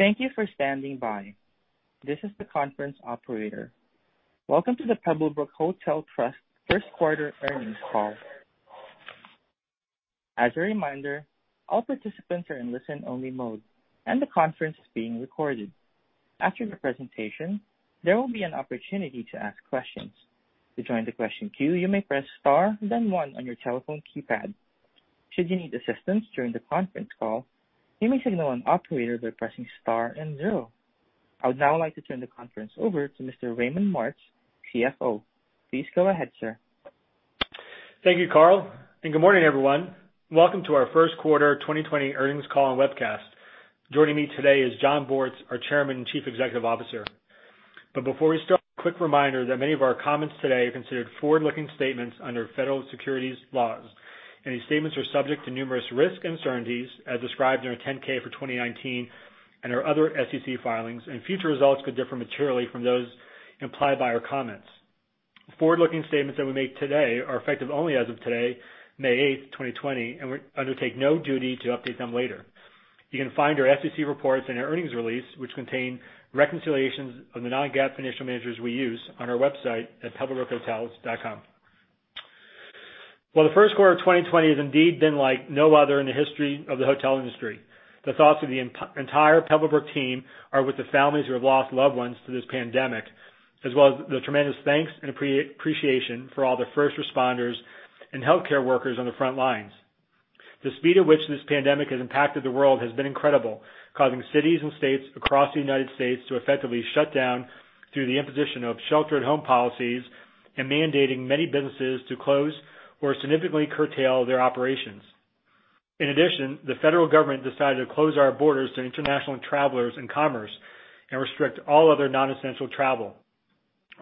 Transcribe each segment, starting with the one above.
Thank you for standing by. This is the conference operator. Welcome to the Pebblebrook Hotel Trust First Quarter Earnings Call. As a reminder, all participants are in listen-only mode, and the conference is being recorded. After the presentation, there will be an opportunity to ask questions. To join the question queue, you may press star then one on your telephone keypad. Should you need assistance during the conference call, you may signal an operator by pressing star and zero. I would now like to turn the conference over to Mr. Raymond Martz, CFO. Please go ahead, sir. Thank you, Carl. Good morning, everyone. Welcome to our First Quarter 2020 Earnings Call and Webcast. Joining me today is Jon Bortz, our Chairman and Chief Executive Officer. Before we start, a quick reminder that many of our comments today are considered forward-looking statements under federal securities laws. Any statements are subject to numerous risks and uncertainties as described in our 10-K for 2019 and our other SEC filings, and future results could differ materially from those implied by our comments. The forward-looking statements that we make today are effective only as of today, May 8th, 2020, and we undertake no duty to update them later. You can find our SEC reports and our earnings release, which contain reconciliations of the non-GAAP financial measures we use on our website at pebblebrookhotels.com. While the first quarter of 2020 has indeed been like no other in the history of the hotel industry, the thoughts of the entire Pebblebrook team are with the families who have lost loved ones to this pandemic, as well as the tremendous thanks and appreciation for all the first responders and healthcare workers on the front lines. The speed at which this pandemic has impacted the world has been incredible, causing cities and states across the U.S. to effectively shut down through the imposition of shelter at home policies and mandating many businesses to close or significantly curtail their operations. The federal government decided to close our borders to international travelers and commerce and restrict all other non-essential travel.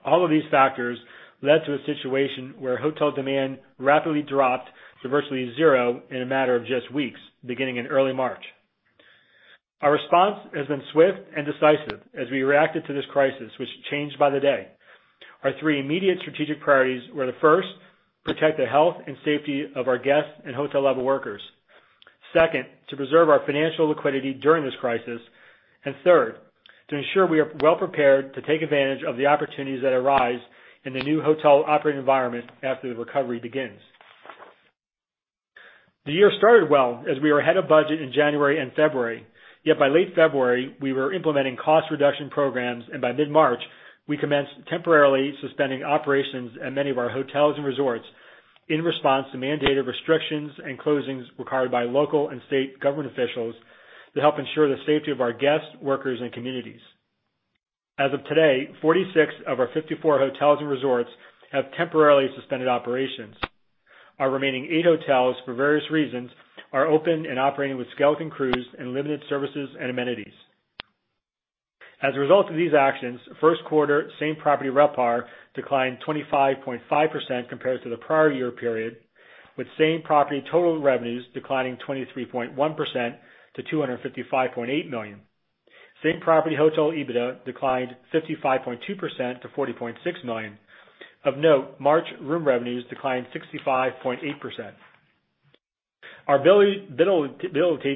All of these factors led to a situation where hotel demand rapidly dropped to virtually zero in a matter of just weeks, beginning in early March. Our response has been swift and decisive as we reacted to this crisis, which changed by the day. Our three immediate strategic priorities were to first, protect the health and safety of our guests and hotel level workers. Second, to preserve our financial liquidity during this crisis. Third, to ensure we are well prepared to take advantage of the opportunities that arise in the new hotel operating environment after the recovery begins. The year started well as we were ahead of budget in January and February. Yet by late February, we were implementing cost reduction programs, and by mid-March, we commenced temporarily suspending operations at many of our hotels and resorts in response to mandated restrictions and closings required by local and state government officials to help ensure the safety of our guests, workers, and communities. As of today, 46 of our 54 hotels and resorts have temporarily suspended operations. Our remaining eight hotels, for various reasons, are open and operating with skeleton crews and limited services and amenities. As a result of these actions, first quarter same property RevPAR declined 25.5% compared to the prior year period, with same property total revenues declining 23.1% to $255.8 million. Same property hotel EBITDA declined 55.2% to $40.6 million. Of note, March room revenues declined 65.8%. Our ability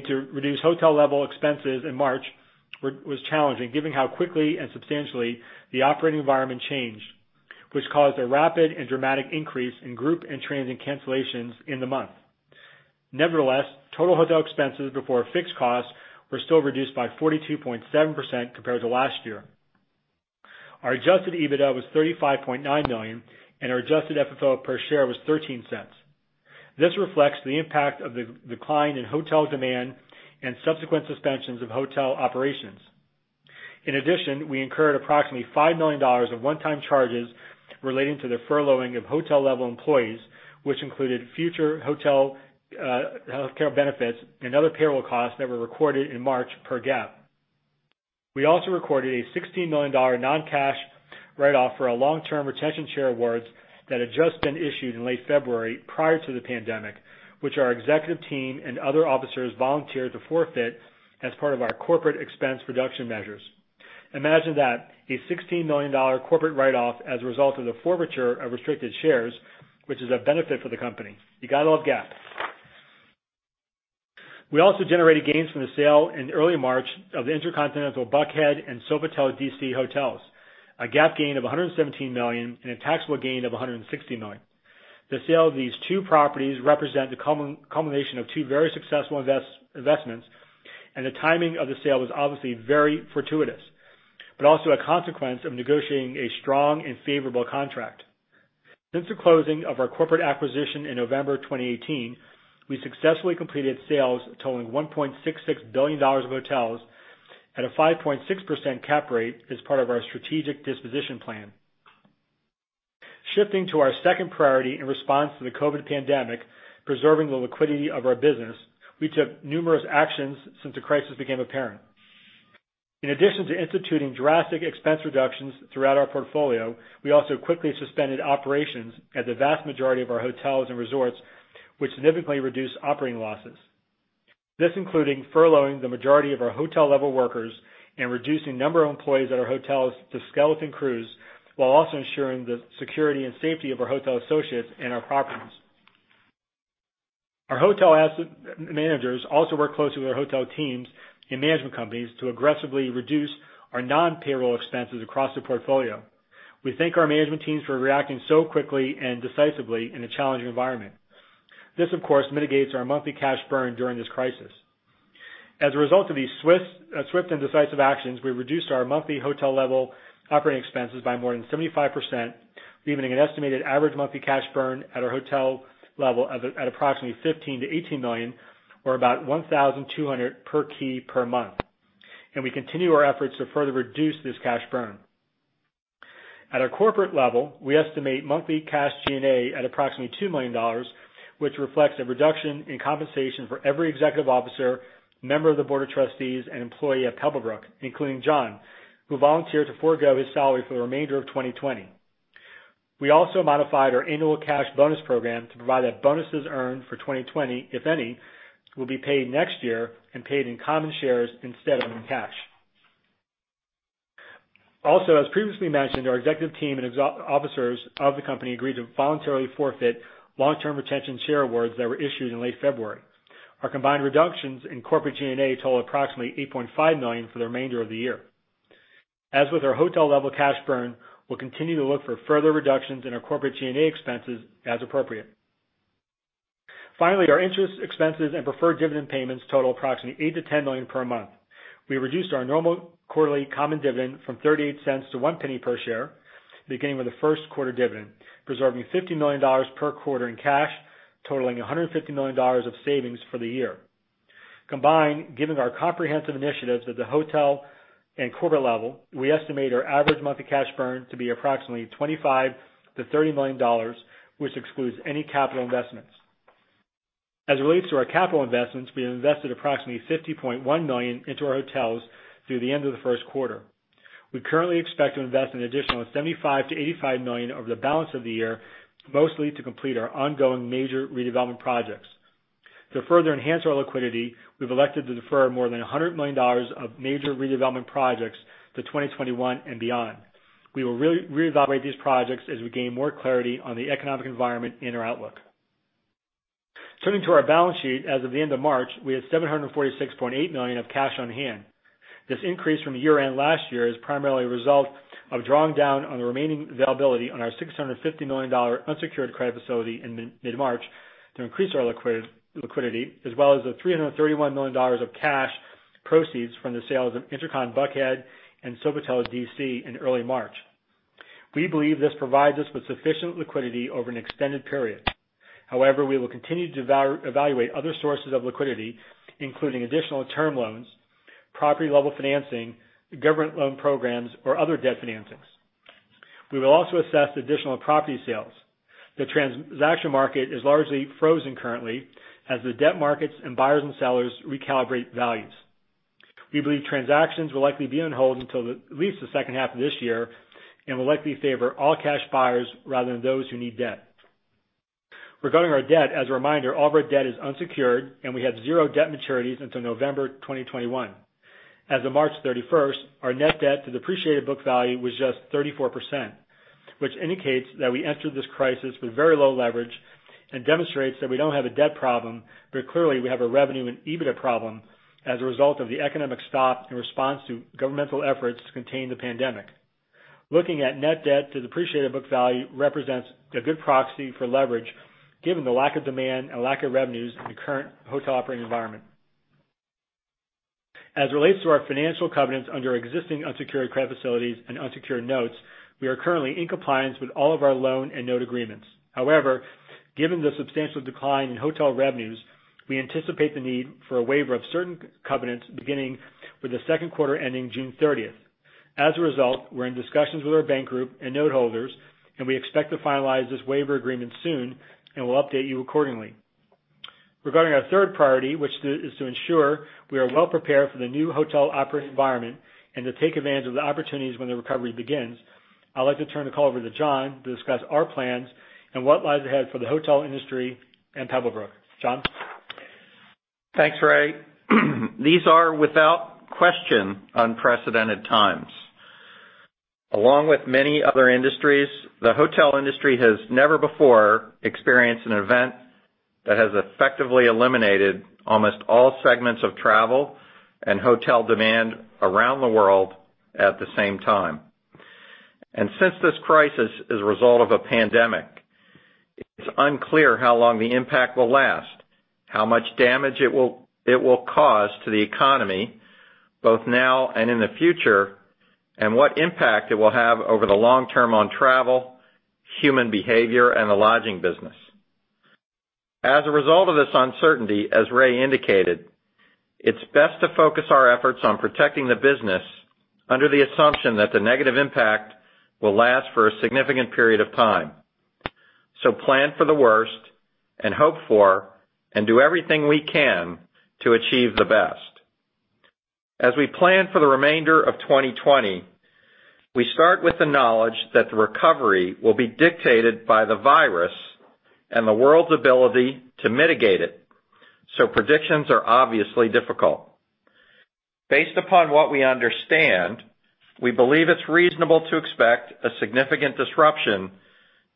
to reduce hotel level expenses in March was challenging, given how quickly and substantially the operating environment changed, which caused a rapid and dramatic increase in group and transient cancellations in the month. Nevertheless, total hotel expenses before fixed costs were still reduced by 42.7% compared to last year. Our adjusted EBITDA was $35.9 million, and our adjusted FFO per share was $0.13. This reflects the impact of the decline in hotel demand and subsequent suspensions of hotel operations. We incurred approximately $5 million of one-time charges relating to the furloughing of hotel-level employees, which included future hotel healthcare benefits and other payroll costs that were recorded in March per GAAP. We also recorded a $16 million non-cash write-off for our long-term retention share awards that had just been issued in late February prior to the pandemic, which our executive team and other officers volunteered to forfeit as part of our corporate expense reduction measures. Imagine that, a $16 million corporate write-off as a result of the forfeiture of restricted shares, which is a benefit for the company. You got to love GAAP. We also generated gains from the sale in early March of the InterContinental Buckhead and Sofitel D.C. hotels, a GAAP gain of $117 million and a taxable gain of $160 million. The sale of these two properties represent the culmination of two very successful investments, and the timing of the sale was obviously very fortuitous, but also a consequence of negotiating a strong and favorable contract. Since the closing of our corporate acquisition in November 2018, we successfully completed sales totaling $1.66 billion of hotels at a 5.6% cap rate as part of our strategic disposition plan. Shifting to our second priority in response to the COVID pandemic, preserving the liquidity of our business, we took numerous actions since the crisis became apparent. In addition to instituting drastic expense reductions throughout our portfolio, we also quickly suspended operations at the vast majority of our hotels and resorts, which significantly reduced operating losses. This including furloughing the majority of our hotel-level workers and reducing the number of employees at our hotels to skeleton crews, while also ensuring the security and safety of our hotel associates and our properties. Our hotel asset managers also work closely with our hotel teams and management companies to aggressively reduce our non-payroll expenses across the portfolio. We thank our management teams for reacting so quickly and decisively in a challenging environment. This, of course, mitigates our monthly cash burn during this crisis. As a result of these swift and decisive actions, we reduced our monthly hotel level operating expenses by more than 75%, leaving an estimated average monthly cash burn at our hotel level of at approximately $15 million-$18 million, or about $1,200 per key per month. We continue our efforts to further reduce this cash burn. At our corporate level, we estimate monthly cash G&A at approximately $2 million, which reflects a reduction in compensation for every Executive Officer, member of the Board of Trustees, and employee at Pebblebrook, including Jon, who volunteered to forgo his salary for the remainder of 2020. We also modified our annual cash bonus program to provide that bonuses earned for 2020, if any, will be paid next year and paid in common shares instead of in cash. Also, as previously mentioned, our executive team and officers of the company agreed to voluntarily forfeit long-term retention share awards that were issued in late February. Our combined reductions in corporate G&A total approximately $8.5 million for the remainder of the year. As with our hotel-level cash burn, we'll continue to look for further reductions in our corporate G&A expenses as appropriate. Finally, our interest expenses and preferred dividend payments total approximately $8 million-$10 million per month. We reduced our normal quarterly common dividend from $0.38 to $0.01 per share, beginning with the first quarter dividend, preserving $50 million per quarter in cash, totaling $150 million of savings for the year. Combined, given our comprehensive initiatives at the hotel and corporate level, we estimate our average monthly cash burn to be approximately $25 million-$30 million, which excludes any capital investments. As it relates to our capital investments, we have invested approximately $50.1 million into our hotels through the end of the first quarter. We currently expect to invest an additional $75 million-$85 million over the balance of the year, mostly to complete our ongoing major redevelopment projects. To further enhance our liquidity, we've elected to defer more than $100 million of major redevelopment projects to 2021 and beyond. We will reevaluate these projects as we gain more clarity on the economic environment and our outlook. Turning to our balance sheet, as of the end of March, we had $746.8 million of cash on hand. This increase from year-end last year is primarily a result of drawing down on the remaining availability on our $650 million unsecured credit facility in mid-March to increase our liquidity, as well as the $331 million of cash proceeds from the sales of InterCon Buckhead and Sofitel D.C. in early March. We believe this provides us with sufficient liquidity over an extended period. We will continue to evaluate other sources of liquidity, including additional term loans, property-level financing, government loan programs, or other debt financings. We will also assess additional property sales. The transaction market is largely frozen currently as the debt markets and buyers and sellers recalibrate values. We believe transactions will likely be on hold until at least the second half of this year, and will likely favor all-cash buyers rather than those who need debt. Regarding our debt, as a reminder, all of our debt is unsecured, and we have zero debt maturities until November 2021. As of March 31st, our net debt to depreciated book value was just 34%, which indicates that we entered this crisis with very low leverage and demonstrates that we don't have a debt problem, but clearly, we have a revenue and EBITDA problem as a result of the economic stop in response to governmental efforts to contain the pandemic. Looking at net debt to depreciated book value represents a good proxy for leverage given the lack of demand and lack of revenues in the current hotel operating environment. As it relates to our financial covenants under existing unsecured credit facilities and unsecured notes, we are currently in compliance with all of our loan and note agreements. However, given the substantial decline in hotel revenues, we anticipate the need for a waiver of certain covenants beginning with the second quarter ending June 30th. As a result, we're in discussions with our bank group and note holders. We expect to finalize this waiver agreement soon. We'll update you accordingly. Regarding our third priority, which is to ensure we are well prepared for the new hotel operating environment and to take advantage of the opportunities when the recovery begins, I'd like to turn the call over to Jon to discuss our plans and what lies ahead for the hotel industry and Pebblebrook. Jon? Thanks, Ray. These are, without question, unprecedented times. Along with many other industries, the hotel industry has never before experienced an event that has effectively eliminated almost all segments of travel and hotel demand around the world at the same time. Since this crisis is a result of a pandemic, it's unclear how long the impact will last, how much damage it will cause to the economy both now and in the future, and what impact it will have over the long term on travel, human behavior, and the lodging business. As a result of this uncertainty, as Ray indicated, it's best to focus our efforts on protecting the business under the assumption that the negative impact will last for a significant period of time. Plan for the worst, and hope for and do everything we can to achieve the best. As we plan for the remainder of 2020, we start with the knowledge that the recovery will be dictated by the virus and the world's ability to mitigate it, so predictions are obviously difficult. Based upon what we understand, we believe it's reasonable to expect a significant disruption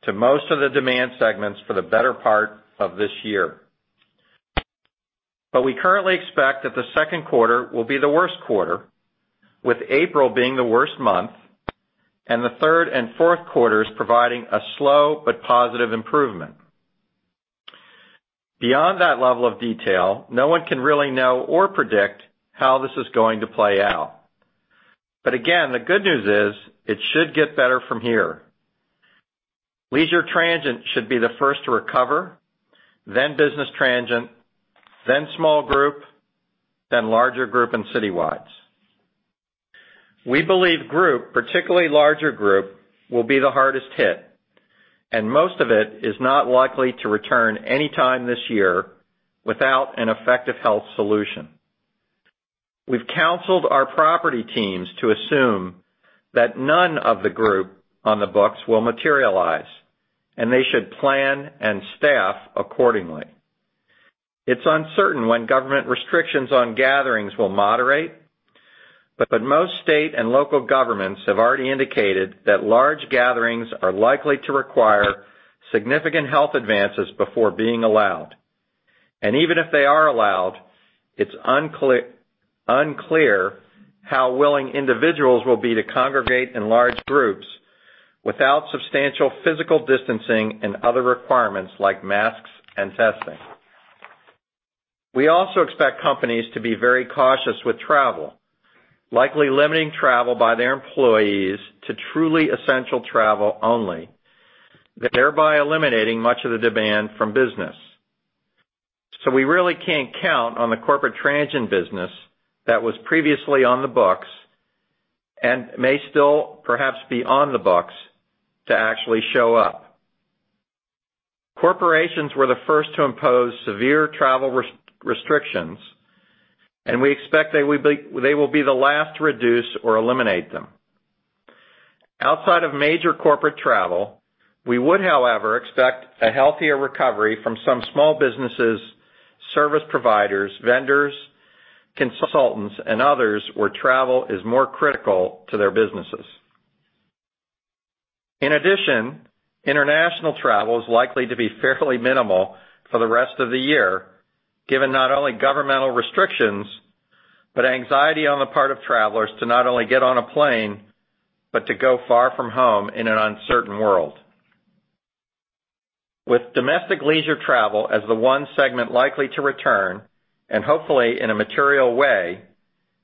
to most of the demand segments for the better part of this year. We currently expect that the second quarter will be the worst quarter, with April being the worst month, and the third and fourth quarters providing a slow but positive improvement. Beyond that level of detail, no one can really know or predict how this is going to play out. Again, the good news is, it should get better from here. Leisure transient should be the first to recover, then business transient, then small group, then larger group and citywide. We believe group, particularly larger group, will be the hardest hit, and most of it is not likely to return any time this year without an effective health solution. We've counseled our property teams to assume that none of the group on the books will materialize, and they should plan and staff accordingly. It's uncertain when government restrictions on gatherings will moderate, but most state and local governments have already indicated that large gatherings are likely to require significant health advances before being allowed. Even if they are allowed, it's unclear how willing individuals will be to congregate in large groups without substantial physical distancing and other requirements like masks and testing. We also expect companies to be very cautious with travel, likely limiting travel by their employees to truly essential travel only, thereby eliminating much of the demand from business. We really can't count on the corporate transient business that was previously on the books and may still perhaps be on the books to actually show up. Corporations were the first to impose severe travel restrictions, and we expect they will be the last to reduce or eliminate them. Outside of major corporate travel, we would, however, expect a healthier recovery from some small businesses, service providers, vendors, consultants, and others where travel is more critical to their businesses. In addition, international travel is likely to be fairly minimal for the rest of the year, given not only governmental restrictions, but anxiety on the part of travelers to not only get on a plane, but to go far from home in an uncertain world. With domestic leisure travel as the one segment likely to return, and hopefully in a material way,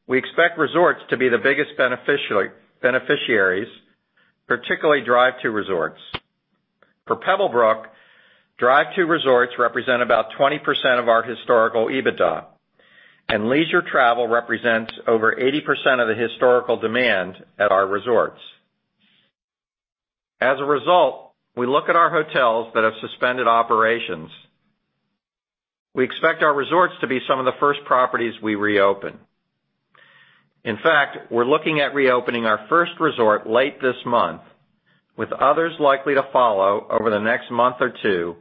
we expect resorts to be the biggest beneficiaries, particularly drive-to resorts. For Pebblebrook, drive-to resorts represent about 20% of our historical EBITDA, and leisure travel represents over 80% of the historical demand at our resorts. As a result, we look at our hotels that have suspended operations. We expect our resorts to be some of the first properties we reopen. In fact, we're looking at reopening our first resort late this month, with others likely to follow over the next month or two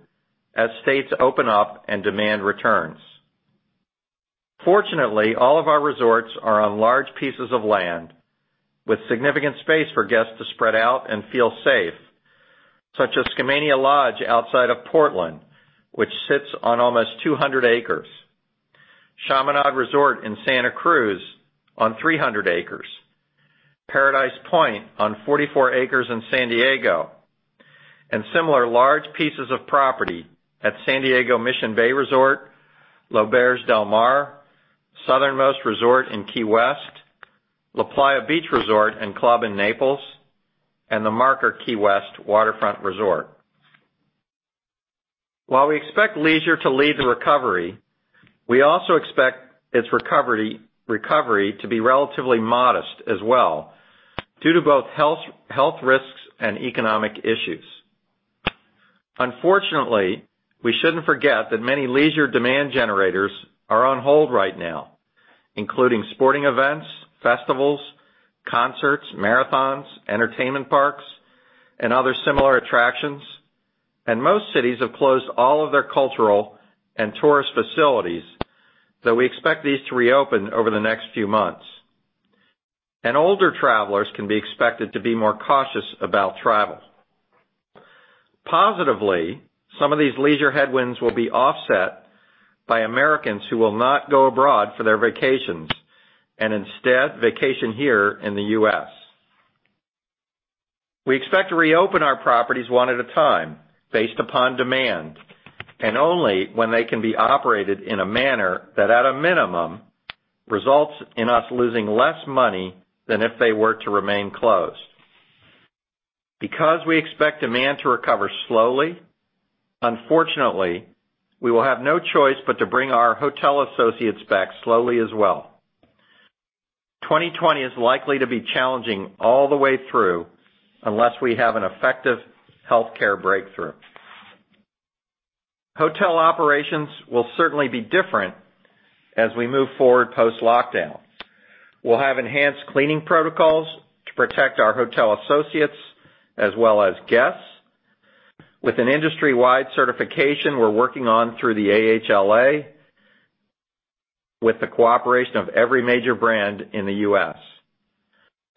as states open up and demand returns. Fortunately, all of our resorts are on large pieces of land, with significant space for guests to spread out and feel safe, such as Skamania Lodge outside of Portland, which sits on almost 200 acres, Chaminade Resort in Santa Cruz on 300 acres, Paradise Point on 44 acres in San Diego, and similar large pieces of property at San Diego Mission Bay Resort, L'Auberge Del Mar, Southernmost Resort in Key West, LaPlaya Beach & Golf Resort in Naples, and The Marker Key West Harbor Resort. While we expect leisure to lead the recovery, we also expect its recovery to be relatively modest as well due to both health risks and economic issues. Unfortunately, we shouldn't forget that many leisure demand generators are on hold right now, including sporting events, festivals, concerts, marathons, entertainment parks, and other similar attractions, and most cities have closed all of their cultural and tourist facilities, though we expect these to reopen over the next few months. Older travelers can be expected to be more cautious about travel. Positively, some of these leisure headwinds will be offset by Americans who will not go abroad for their vacations and instead vacation here in the U.S. We expect to reopen our properties one at a time based upon demand, and only when they can be operated in a manner that, at a minimum, results in us losing less money than if they were to remain closed. Because we expect demand to recover slowly, unfortunately, we will have no choice but to bring our hotel associates back slowly as well. 2020 is likely to be challenging all the way through unless we have an effective healthcare breakthrough. Hotel operations will certainly be different as we move forward post-lockdown. We'll have enhanced cleaning protocols to protect our hotel associates as well as guests. With an industry-wide certification we're working on through the AHLA, with the cooperation of every major brand in the U.S.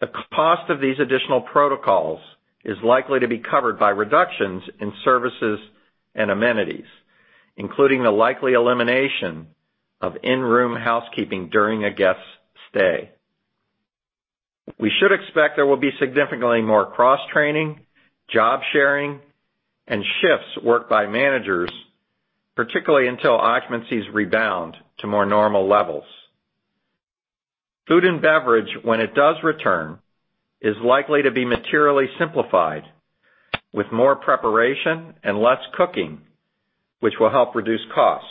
The cost of these additional protocols is likely to be covered by reductions in services and amenities, including the likely elimination of in-room housekeeping during a guest's stay. We should expect there will be significantly more cross-training, job-sharing, and shifts worked by managers, particularly until occupancies rebound to more normal levels. Food and beverage, when it does return, is likely to be materially simplified with more preparation and less cooking, which will help reduce costs.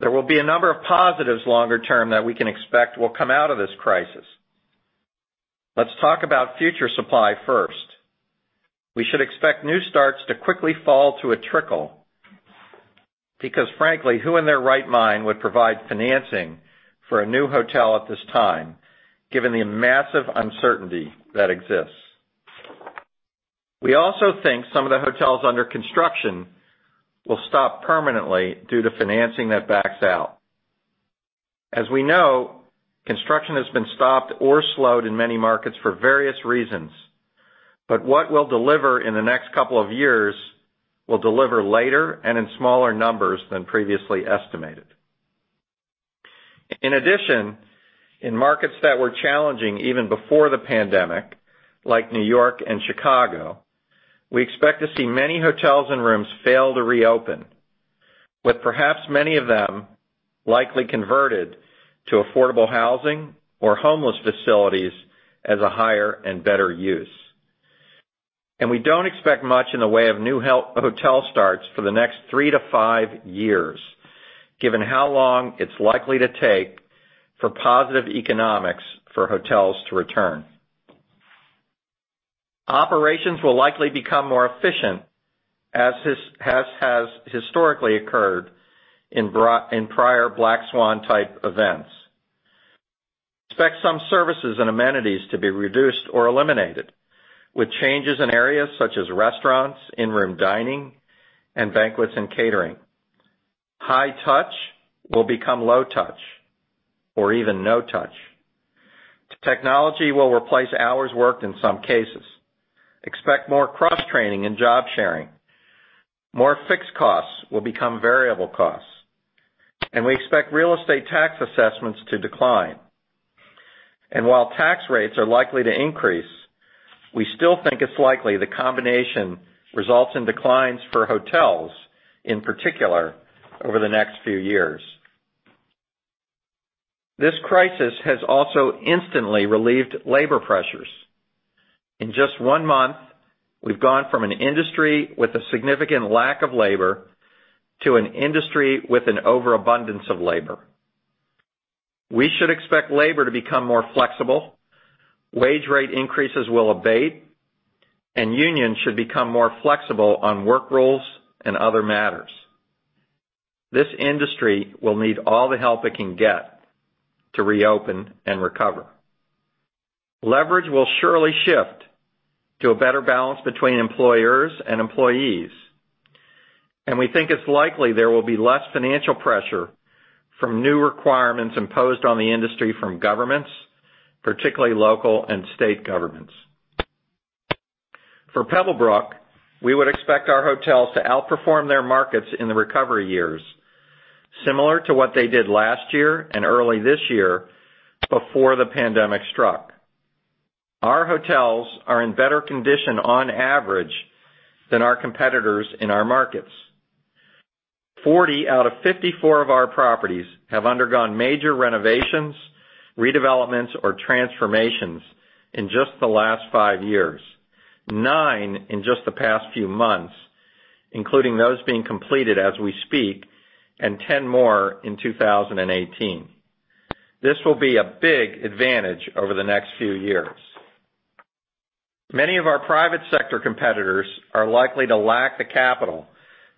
There will be a number of positives longer term that we can expect will come out of this crisis. Let's talk about future supply first. We should expect new starts to quickly fall to a trickle because frankly, who in their right mind would provide financing for a new hotel at this time, given the massive uncertainty that exists? We also think some of the hotels under construction will stop permanently due to financing that backs out. As we know, construction has been stopped or slowed in many markets for various reasons. What we'll deliver in the next couple of years will deliver later and in smaller numbers than previously estimated. In addition, in markets that were challenging even before the pandemic, like New York and Chicago, we expect to see many hotels and rooms fail to reopen. With perhaps many of them likely converted to affordable housing or homeless facilities as a higher and better use. We don't expect much in the way of new hotel starts for the next 3 to 5 years, given how long it's likely to take for positive economics for hotels to return. Operations will likely become more efficient as has historically occurred in prior black swan-type events. Expect some services and amenities to be reduced or eliminated, with changes in areas such as restaurants, in-room dining, and banquets and catering. High touch will become low touch, or even no touch. Technology will replace hours worked in some cases. Expect more cross-training and job-sharing. More fixed costs will become variable costs. We expect real estate tax assessments to decline. While tax rates are likely to increase, we still think it's likely the combination results in declines for hotels, in particular, over the next few years. This crisis has also instantly relieved labor pressures. In just one month, we've gone from an industry with a significant lack of labor to an industry with an overabundance of labor. We should expect labor to become more flexible, wage rate increases will abate, and unions should become more flexible on work roles and other matters. This industry will need all the help it can get to reopen and recover. Leverage will surely shift to a better balance between employers and employees, we think it's likely there will be less financial pressure from new requirements imposed on the industry from governments, particularly local and state governments. For Pebblebrook, we would expect our hotels to outperform their markets in the recovery years, similar to what they did last year and early this year before the pandemic struck. Our hotels are in better condition on average than our competitors in our markets. 40 out of 54 of our properties have undergone major renovations, redevelopments, or transformations in just the last five years. Nine in just the past few months, including those being completed as we speak, and 10 more in 2018. This will be a big advantage over the next few years. Many of our private sector competitors are likely to lack the capital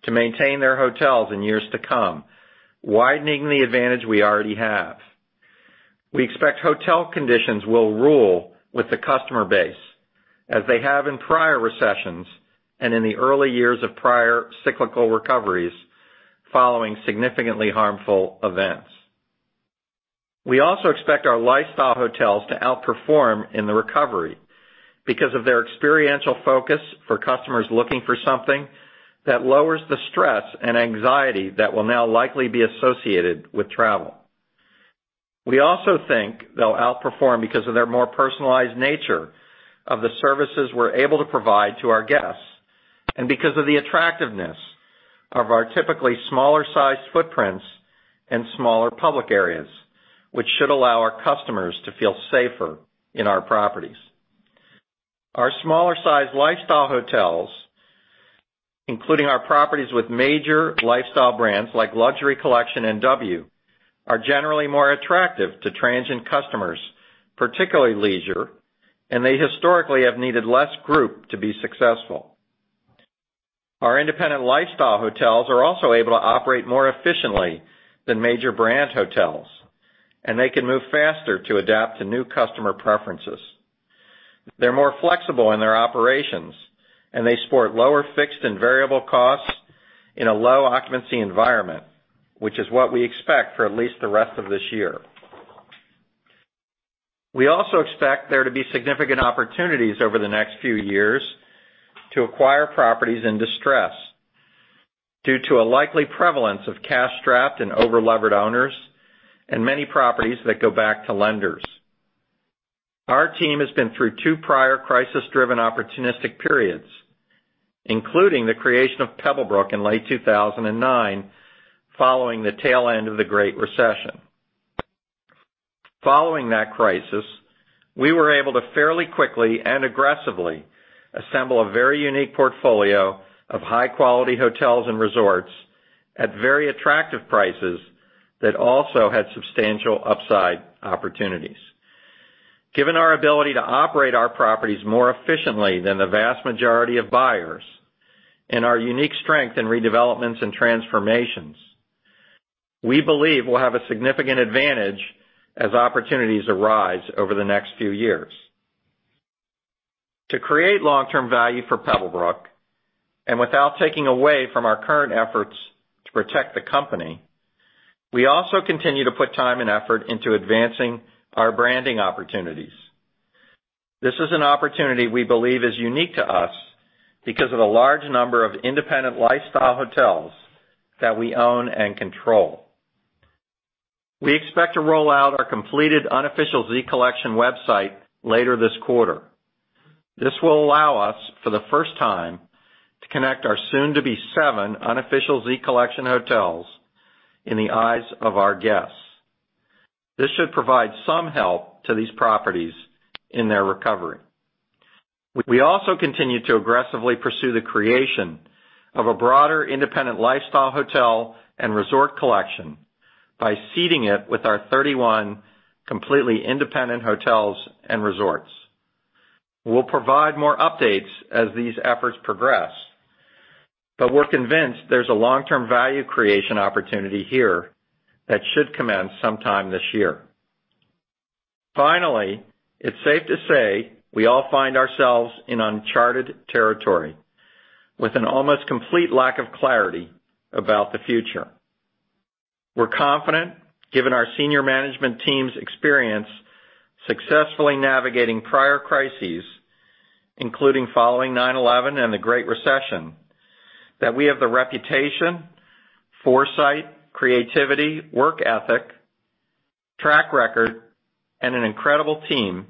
to maintain their hotels in years to come, widening the advantage we already have. We expect hotel conditions will rule with the customer base, as they have in prior recessions and in the early years of prior cyclical recoveries following significantly harmful events. We also expect our lifestyle hotels to outperform in the recovery because of their experiential focus for customers looking for something that lowers the stress and anxiety that will now likely be associated with travel. We also think they'll outperform because of their more personalized nature of the services we're able to provide to our guests, and because of the attractiveness of our typically smaller-sized footprints and smaller public areas, which should allow our customers to feel safer in our properties. Our smaller-sized lifestyle hotels, including our properties with major lifestyle brands like The Luxury Collection and W, are generally more attractive to transient customers, particularly leisure, and they historically have needed less group to be successful. Our independent lifestyle hotels are also able to operate more efficiently than major brand hotels. They can move faster to adapt to new customer preferences. They're more flexible in their operations, and they support lower fixed and variable costs in a low occupancy environment, which is what we expect for at least the rest of this year. We also expect there to be significant opportunities over the next few years to acquire properties in distress due to a likely prevalence of cash-strapped and over-levered owners and many properties that go back to lenders. Our team has been through two prior crisis-driven opportunistic periods, including the creation of Pebblebrook in late 2009 following the tail end of the Great Recession. Following that crisis, we were able to fairly quickly and aggressively assemble a very unique portfolio of high-quality hotels and resorts at very attractive prices that also had substantial upside opportunities. Given our ability to operate our properties more efficiently than the vast majority of buyers and our unique strength in redevelopments and transformations, we believe we'll have a significant advantage as opportunities arise over the next few years. To create long-term value for Pebblebrook, and without taking away from our current efforts to protect the company, we also continue to put time and effort into advancing our branding opportunities. This is an opportunity we believe is unique to us because of the large number of independent lifestyle hotels that we own and control. We expect to roll out our completed Unofficial Z Collection website later this quarter. This will allow us, for the first time, to connect our soon-to-be seven Unofficial Z Collection hotels in the eyes of our guests. This should provide some help to these properties in their recovery. We also continue to aggressively pursue the creation of a broader independent lifestyle hotel and resort collection by seeding it with our 31 completely independent hotels and resorts. We'll provide more updates as these efforts progress. We're convinced there's a long-term value creation opportunity here that should commence sometime this year. Finally, it's safe to say we all find ourselves in uncharted territory with an almost complete lack of clarity about the future. We're confident, given our senior management team's experience successfully navigating prior crises, including following 9/11 and the Great Recession, that we have the reputation, foresight, creativity, work ethic, track record, and an incredible team,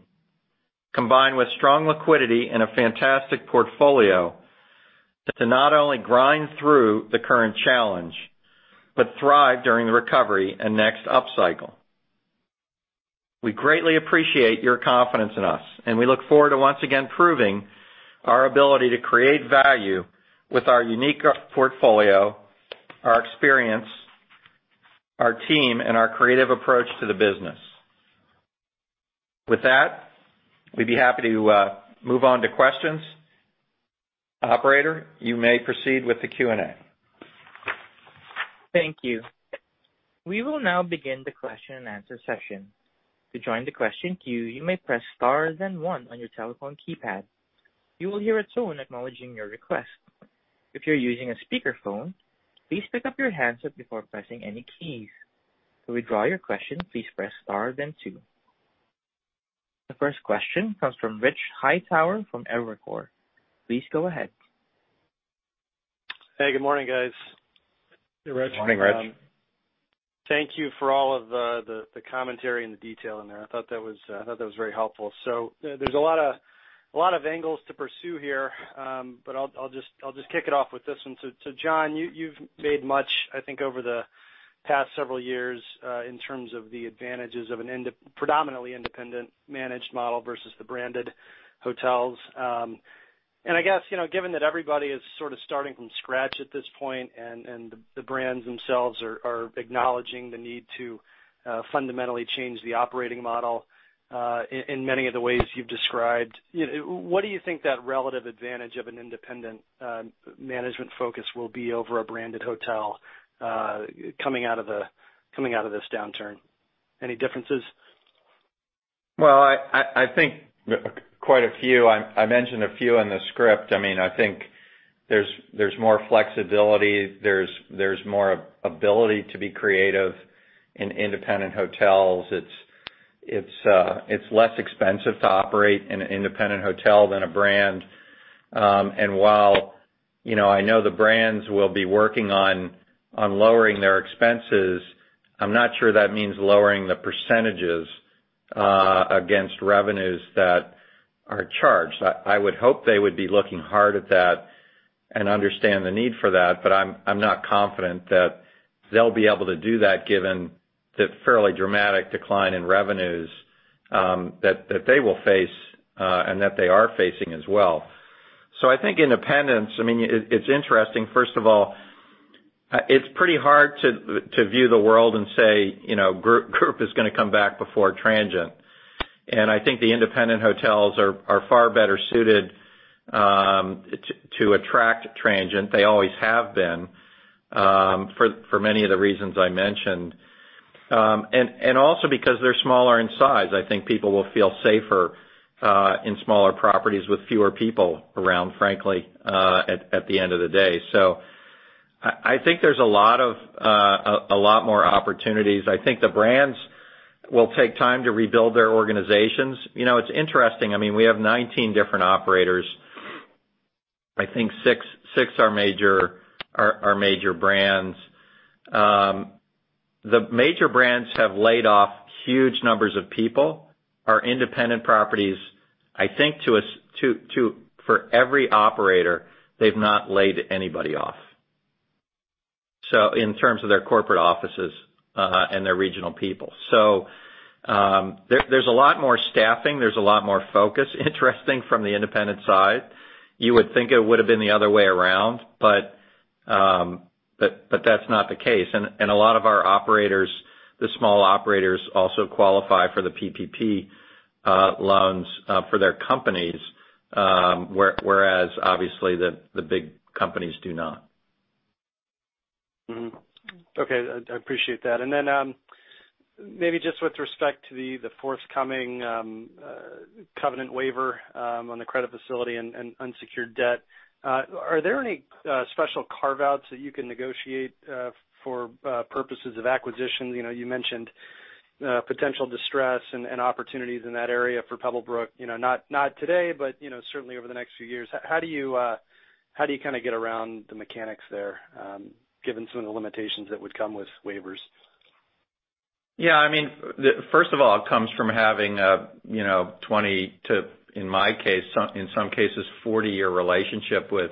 combined with strong liquidity and a fantastic portfolio, to not only grind through the current challenge but thrive during the recovery and next upcycle. We greatly appreciate your confidence in us, and we look forward to once again proving our ability to create value with our unique portfolio, our experience, our team, and our creative approach to the business. With that, we would be happy to move on to questions. Operator, you may proceed with the Q&A. Thank you. We will now begin the question and answer session. To join the question queue, you may press star then one on your telephone keypad. You will hear a tone acknowledging your request. If you're using a speakerphone, please pick up your handset before pressing any keys. To withdraw your question, please press star then two. The first question comes from Rich Hightower from Evercore. Please go ahead. Hey, good morning, guys. Hey, Rich. Morning, Rich. Thank you for all of the commentary and the detail in there. I thought that was very helpful. There's a lot of angles to pursue here, but I'll just kick it off with this one. Jon, you've made much, I think, over the past several years in terms of the advantages of a predominantly independent managed model versus the branded hotels. I guess, given that everybody is sort of starting from scratch at this point and the brands themselves are acknowledging the need to fundamentally change the operating model in many of the ways you've described, what do you think that relative advantage of an independent management focus will be over a branded hotel coming out of this downturn? Any differences? Well, I think quite a few. I mentioned a few in the script. I think there's more flexibility, there's more ability to be creative in independent hotels. It's less expensive to operate an independent hotel than a brand. While I know the brands will be working on lowering their expenses, I'm not sure that means lowering the percentages against revenues that are charged. I would hope they would be looking hard at that and understand the need for that, but I'm not confident that they'll be able to do that given the fairly dramatic decline in revenues that they will face, and that they are facing as well. I think independence, it's interesting. First of all, it's pretty hard to view the world and say group is going to come back before transient. I think the independent hotels are far better suited to attract transient. They always have been, for many of the reasons I mentioned. Also because they're smaller in size, I think people will feel safer, in smaller properties with fewer people around, frankly, at the end of the day. I think there's a lot more opportunities. I think the brands will take time to rebuild their organizations. It's interesting. We have 19 different operators. I think six are major brands. The major brands have laid off huge numbers of people. Our independent properties, I think for every operator, they've not laid anybody off in terms of their corporate offices, and their regional people. There's a lot more staffing, there's a lot more focus interestingly, from the independent side. You would think it would've been the other way around, but that's not the case. A lot of our operators, the small operators, also qualify for the PPP loans for their companies, whereas obviously the big companies do not. Okay. I appreciate that. Maybe just with respect to the forthcoming covenant waiver on the credit facility and unsecured debt, are there any special carve-outs that you can negotiate for purposes of acquisitions? You mentioned potential distress and opportunities in that area for Pebblebrook, not today, but certainly over the next few years. How do you get around the mechanics there, given some of the limitations that would come with waivers? Yeah. First of all, it comes from having a 20 to, in my case, in some cases, 40-year relationship with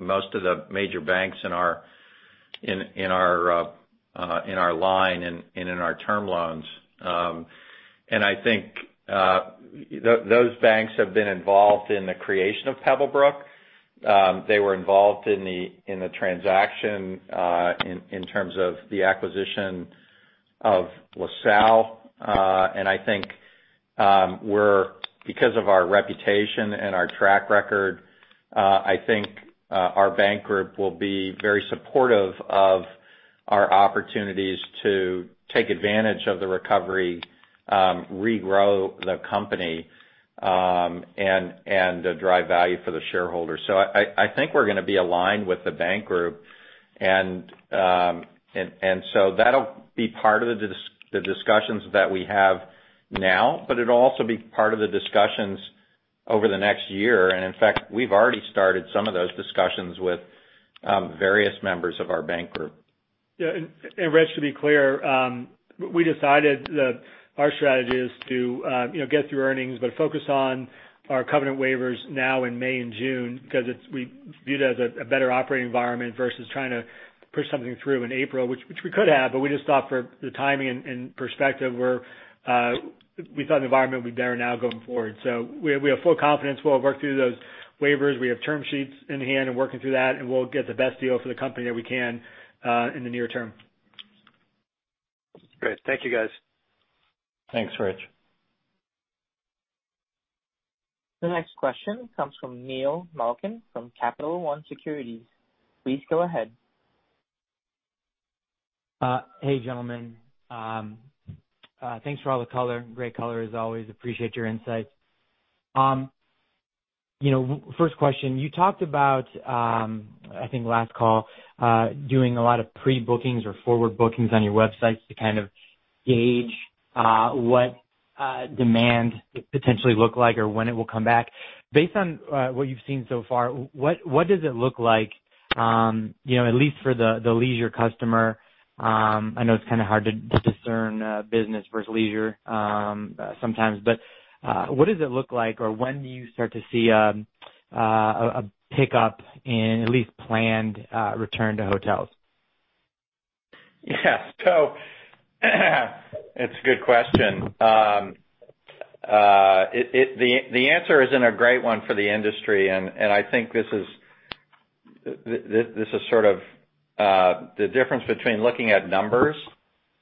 most of the major banks in our line and in our term loans. I think those banks have been involved in the creation of Pebblebrook. They were involved in the transaction in terms of the acquisition of LaSalle. I think because of our reputation and our track record, I think our bank group will be very supportive of our opportunities to take advantage of the recovery, regrow the company, and drive value for the shareholders. I think we're going to be aligned with the bank group and so that'll be part of the discussions that we have now, but it'll also be part of the discussions over the next year. In fact, we've already started some of those discussions with various members of our bank group. Rich, to be clear, we decided that our strategy is to get through earnings, focus on our covenant waivers now in May and June because we view it as a better operating environment versus trying to push something through in April, which we could have, we just thought for the timing and perspective, we thought the environment would be better now going forward. We have full confidence we'll work through those waivers. We have term sheets in hand and working through that, and we'll get the best deal for the company that we can in the near term. Great. Thank you, guys. Thanks, Rich. The next question comes from Neil Malkin from Capital One Securities. Please go ahead. Hey, gentlemen. Thanks for all the color. Great color as always. Appreciate your insights. First question, you talked about, I think last call, doing a lot of pre-bookings or forward bookings on your websites to kind of gauge what demand could potentially look like or when it will come back. Based on what you've seen so far, what does it look like, at least for the leisure customer? I know it's kind of hard to discern business versus leisure sometimes, but what does it look like, or when do you start to see a pickup in at least planned return to hotels? Yeah. It's a good question. The answer isn't a great one for the industry, and I think this is sort of the difference between looking at numbers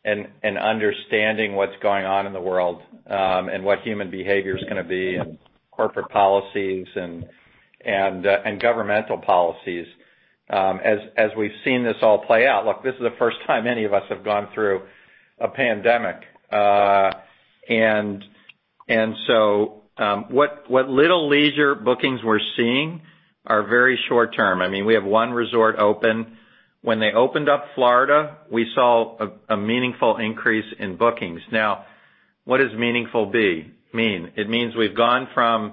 and understanding what's going on in the world, and what human behavior's going to be, and corporate policies and governmental policies as we've seen this all play out. Look, this is the first time any of us have gone through a pandemic. What little leisure bookings we're seeing are very short-term. We have one resort open. When they opened up Florida, we saw a meaningful increase in bookings. Now, what does meaningful mean? It means we've gone from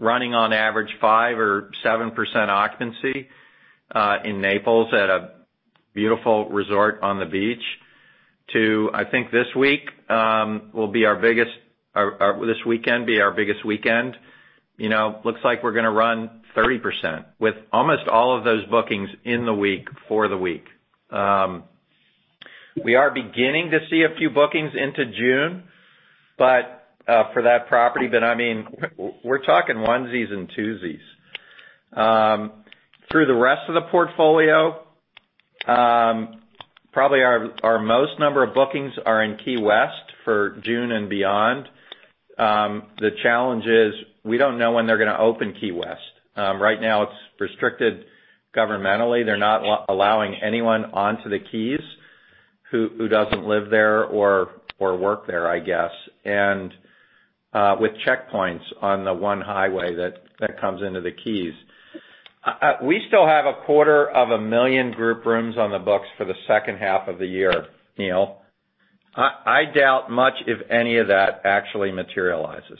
running on average 5% or 7% occupancy in Naples at a beautiful resort on the beach to, I think this weekend will be our biggest weekend. Looks like we're going to run 30% with almost all of those bookings in the week for the week. We are beginning to see a few bookings into June, but for that property, we're talking onesies and twosies. Through the rest of the portfolio. Probably our most number of bookings are in Key West for June and beyond. The challenge is we don't know when they're going to open Key West. Right now it's restricted governmentally. They're not allowing anyone onto the Keys who doesn't live there or work there, I guess, and with checkpoints on the one highway that comes into the Keys. We still have a quarter of a million group rooms on the books for the second half of the year, Neil. I doubt much, if any of that actually materializes.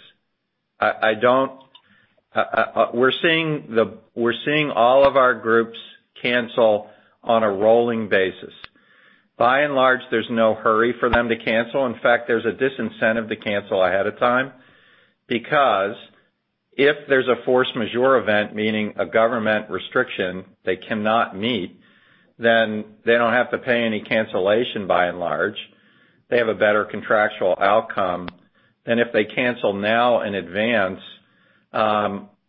We're seeing all of our groups cancel on a rolling basis. By and large, there's no hurry for them to cancel. In fact, there's a disincentive to cancel ahead of time because if there's a force majeure event, meaning a government restriction they cannot meet, then they don't have to pay any cancellation by and large. They have a better contractual outcome than if they cancel now in advance,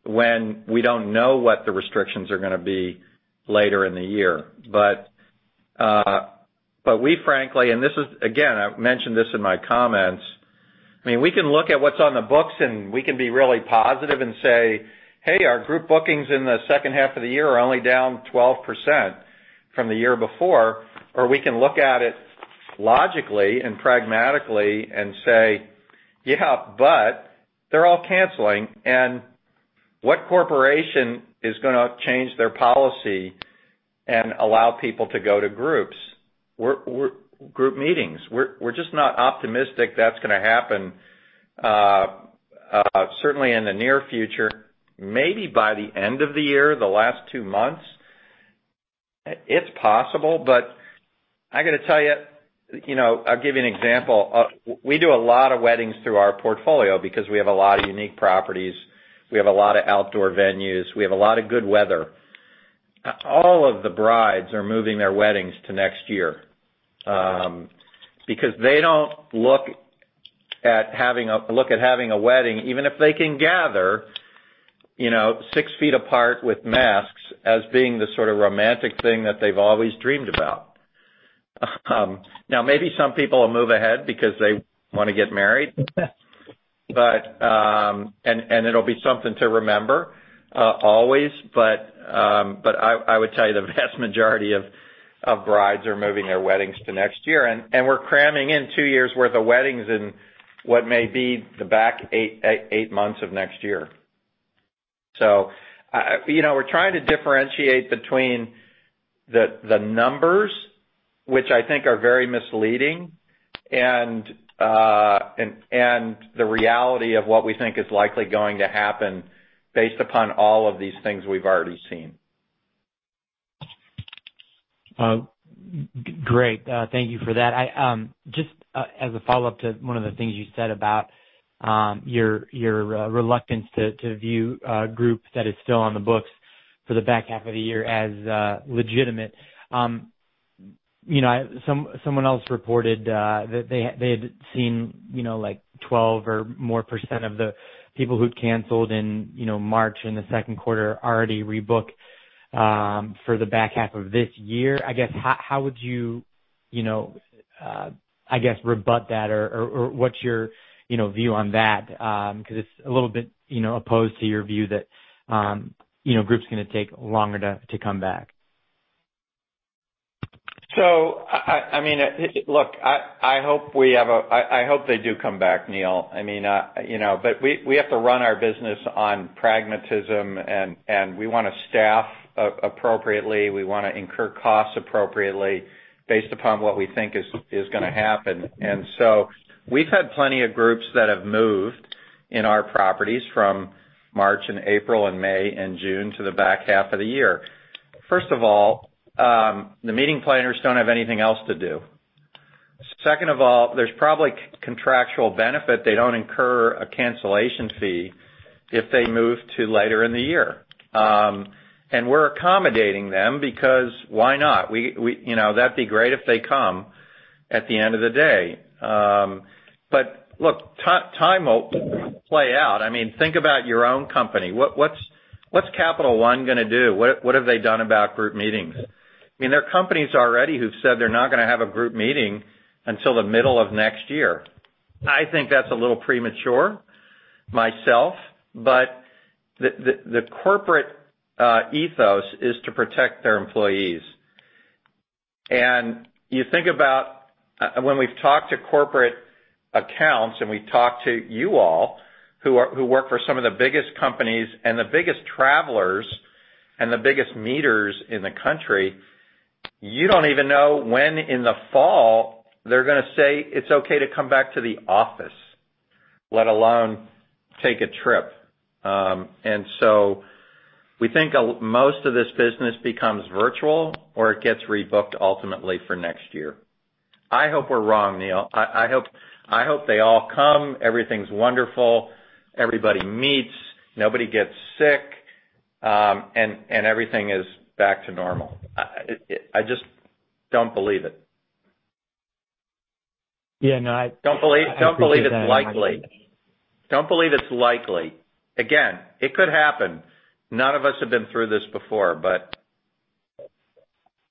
when we don't know what the restrictions are going to be later in the year. We frankly, and this is, again, I mentioned this in my comments. We can look at what's on the books and we can be really positive and say, "Hey, our group bookings in the second half of the year are only down 12% from the year before." We can look at it logically and pragmatically and say, "Yeah, but they're all canceling." What corporation is going to change their policy and allow people to go to group meetings? We're just not optimistic that's going to happen, certainly in the near future. Maybe by the end of the year, the last two months. It's possible, I got to tell you, I'll give you an example. We do a lot of weddings through our portfolio because we have a lot of unique properties. We have a lot of outdoor venues. We have a lot of good weather. All of the brides are moving their weddings to next year, because they don't look at having a wedding, even if they can gather six feet apart with masks, as being the sort of romantic thing that they've always dreamed about. Now, maybe some people will move ahead because they want to get married. It'll be something to remember always. I would tell you, the vast majority of brides are moving their weddings to next year, and we're cramming in two years' worth of weddings in what may be the back eight months of next year. We're trying to differentiate between the numbers, which I think are very misleading, and the reality of what we think is likely going to happen based upon all of these things we've already seen. Great. Thank you for that. Just as a follow-up to one of the things you said about your reluctance to view a group that is still on the books for the back half of the year as legitimate. Someone else reported that they had seen 12% or more of the people who'd canceled in March, in the second quarter already rebook for the back half of this year. I guess, how would you rebut that, or what's your view on that? It's a little bit opposed to your view that groups are going to take longer to come back. Look, I hope they do come back, Neil. We have to run our business on pragmatism, and we want to staff appropriately. We want to incur costs appropriately based upon what we think is going to happen. We've had plenty of groups that have moved in our properties from March and April and May and June to the back half of the year. First of all, the meeting planners don't have anything else to do. Second of all, there's probably contractual benefit. They don't incur a cancellation fee if they move to later in the year. We're accommodating them because why not? That'd be great if they come at the end of the day. Look, time will play out. Think about your own company. What's Capital One going to do? What have they done about group meetings? There are companies already who've said they're not going to have a group meeting until the middle of next year. I think that's a little premature myself. The corporate ethos is to protect their employees. You think about when we've talked to corporate accounts, and we've talked to you all who work for some of the biggest companies and the biggest travelers and the biggest meeters in the country. You don't even know when in the fall they're going to say it's okay to come back to the office, let alone take a trip. We think most of this business becomes virtual or it gets rebooked ultimately for next year. I hope we're wrong, Neil. I hope they all come. Everything's wonderful. Everybody meets, nobody gets sick, and everything is back to normal. I just don't believe it Yeah, no, I appreciate that. Don't believe it's likely. Again, it could happen. None of us have been through this before, but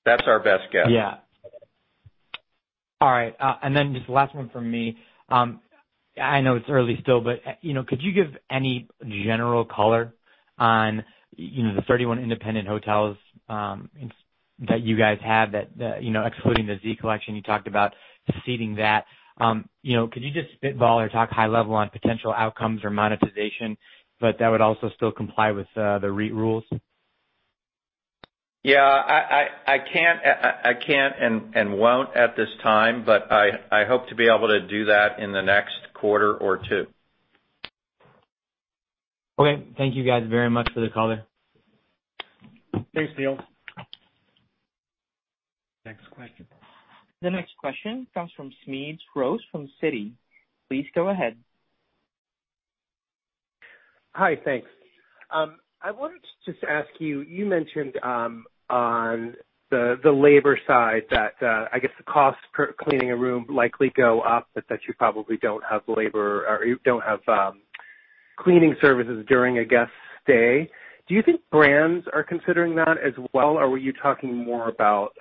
that's our best guess. Yeah. All right, just the last one from me. I know it's early still, could you give any general color on the 31 independent hotels that you guys have, excluding the Z Collection you talked about ceding that. Could you just spitball or talk high level on potential outcomes or monetization, that would also still comply with the REIT rules? Yeah. I can't and won't at this time, but I hope to be able to do that in the next quarter or two. Okay. Thank you guys very much for the call then. Thanks, Neil. Next question. The next question comes from Smedes Rose from Citi. Please go ahead. Hi, thanks. I wanted to just ask you mentioned on the labor side that, I guess the cost per cleaning a room likely go up, but that you probably don't have labor or you don't have cleaning services during a guest stay. Do you think brands are considering that as well, or were you talking more about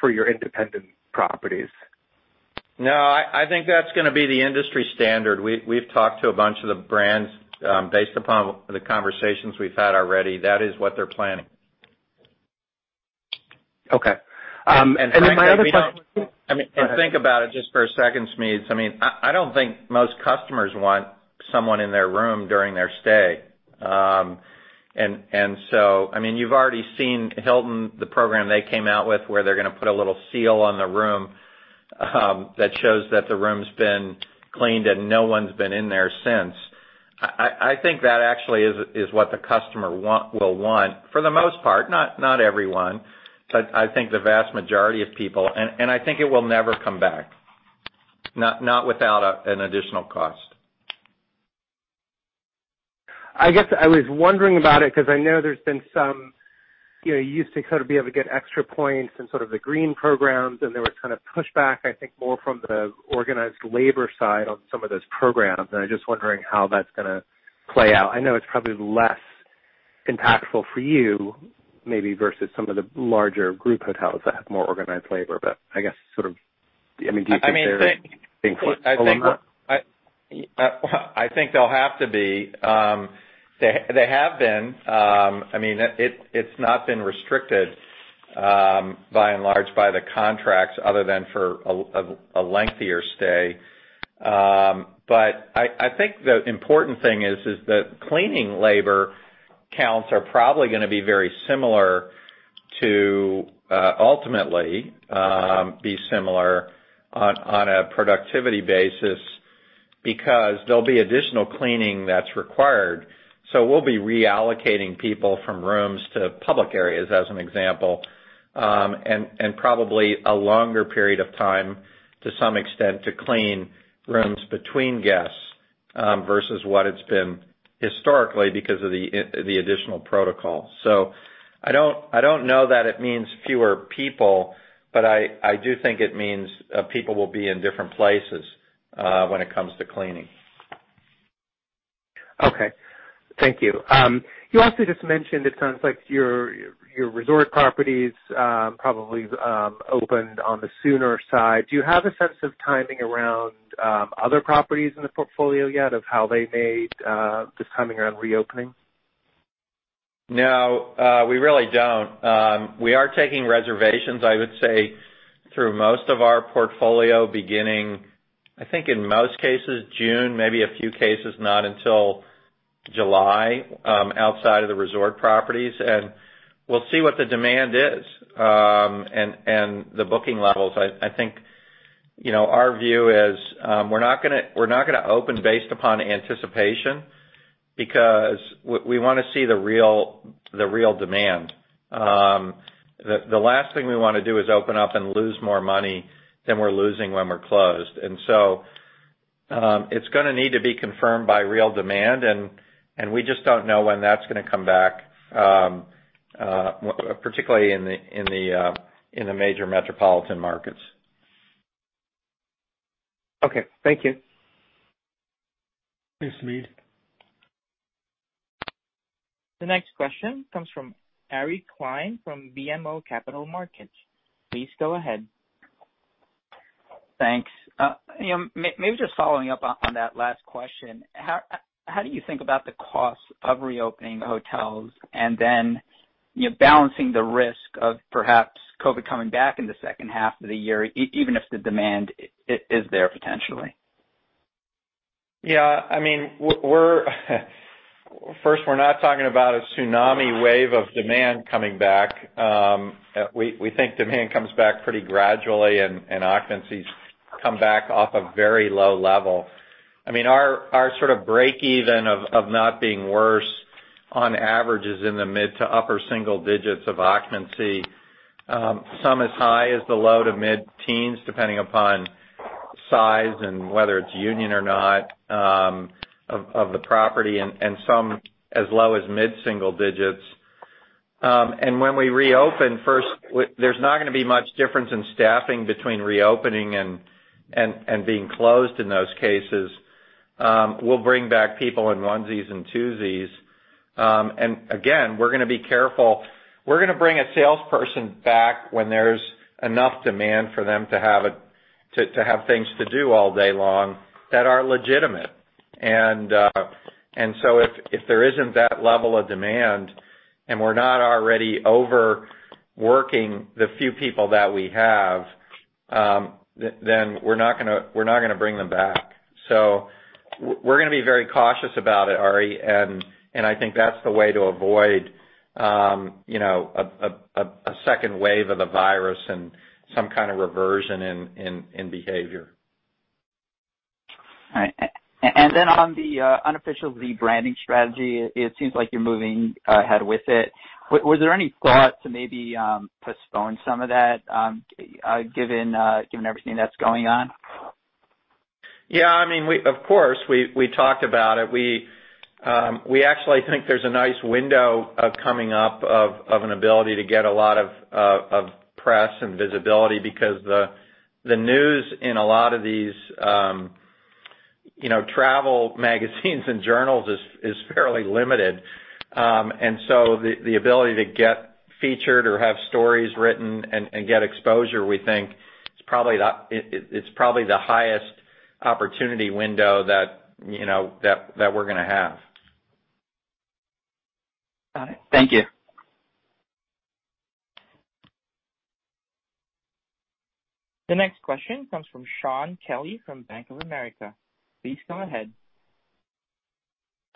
for your independent properties? No, I think that's going to be the industry standard. We've talked to a bunch of the brands, based upon the conversations we've had already, that is what they're planning. Okay. My other question. Think about it just for a second, Smedes. I don't think most customers want someone in their room during their stay. You've already seen Hilton, the program they came out with, where they're going to put a little seal on the room that shows that the room's been cleaned and no one's been in there since. I think that actually is what the customer will want for the most part, not everyone, but I think the vast majority of people, and I think it will never come back. Not without an additional cost. I guess I was wondering about it because I know there's been some You used to sort of be able to get extra points and sort of the green programs, and there was kind of pushback, I think, more from the organized labor side on some of those programs, and I'm just wondering how that's going to play out. I know it's probably less impactful for you maybe versus some of the larger group hotels that have more organized labor, but I guess sort of, do you think they're being flexible on that? I think they'll have to be. They have been. It's not been restricted by and large by the contracts other than for a lengthier stay. I think the important thing is that cleaning labor counts are probably going to be very similar to, ultimately, be similar on a productivity basis because there'll be additional cleaning that's required. We'll be reallocating people from rooms to public areas, as an example, and probably a longer period of time, to some extent, to clean rooms between guests, versus what it's been historically because of the additional protocol. I don't know that it means fewer people, but I do think it means people will be in different places, when it comes to cleaning. Okay. Thank you. You also just mentioned it sounds like your resort properties probably opened on the sooner side. Do you have a sense of timing around other properties in the portfolio yet of how they may be timing around reopening? No, we really don't. We are taking reservations, I would say, through most of our portfolio beginning, I think in most cases, June, maybe a few cases not until July, outside of the resort properties. We'll see what the demand is, and the booking levels. I think our view is we're not going to open based upon anticipation because we want to see the real demand. The last thing we want to do is open up and lose more money than we're losing when we're closed. It's going to need to be confirmed by real demand, and we just don't know when that's going to come back, particularly in the major metropolitan markets. Okay. Thank you. Thanks, Smedes. The next question comes from Ari Klein from BMO Capital Markets. Please go ahead. Thanks. Maybe just following up on that last question. How do you think about the cost of reopening hotels and then balancing the risk of perhaps COVID coming back in the second half of the year, even if the demand is there potentially? Yeah. We're not talking about a tsunami wave of demand coming back. We think demand comes back pretty gradually and occupancies come back off a very low level. Our sort of breakeven of not being worse on average is in the mid to upper single digits of occupancy. Some as high as the low to mid teens, depending upon size and whether it's union or not, of the property and some as low as mid single digits. When we reopen, first, there's not going to be much difference in staffing between reopening and being closed in those cases. We'll bring back people in onesies and twosies. Again, we're going to be careful. We're going to bring a salesperson back when there's enough demand for them to have things to do all day long that are legitimate. If there isn't that level of demand and we're not already overworking the few people that we have, then we're not going to bring them back. We're going to be very cautious about it, Ari, and I think that's the way to avoid a second wave of the virus and some kind of reversion in behavior. All right. On the Unofficial rebranding strategy, it seems like you're moving ahead with it. Was there any thought to maybe postpone some of that, given everything that's going on? Yeah, of course, we talked about it. We actually think there's a nice window coming up of an ability to get a lot of press and visibility because the news in a lot of these travel magazines and journals is fairly limited. The ability to get featured or have stories written and get exposure, we think it's probably the highest opportunity window that we're going to have. Got it. Thank you. The next question comes from Shaun Kelley from Bank of America. Please go ahead.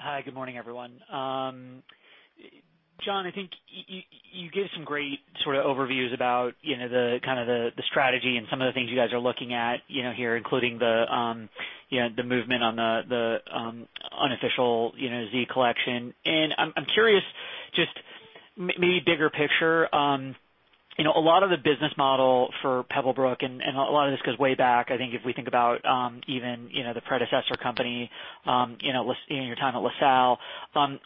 Hi. Good morning, everyone. Jon, I think you gave some great sort of overviews about the strategy and some of the things you guys are looking at here, including the movement on the Unofficial Z Collection. I'm curious, just maybe bigger picture, a lot of the business model for Pebblebrook, and a lot of this goes way back, I think if we think about even the predecessor company in your time at LaSalle,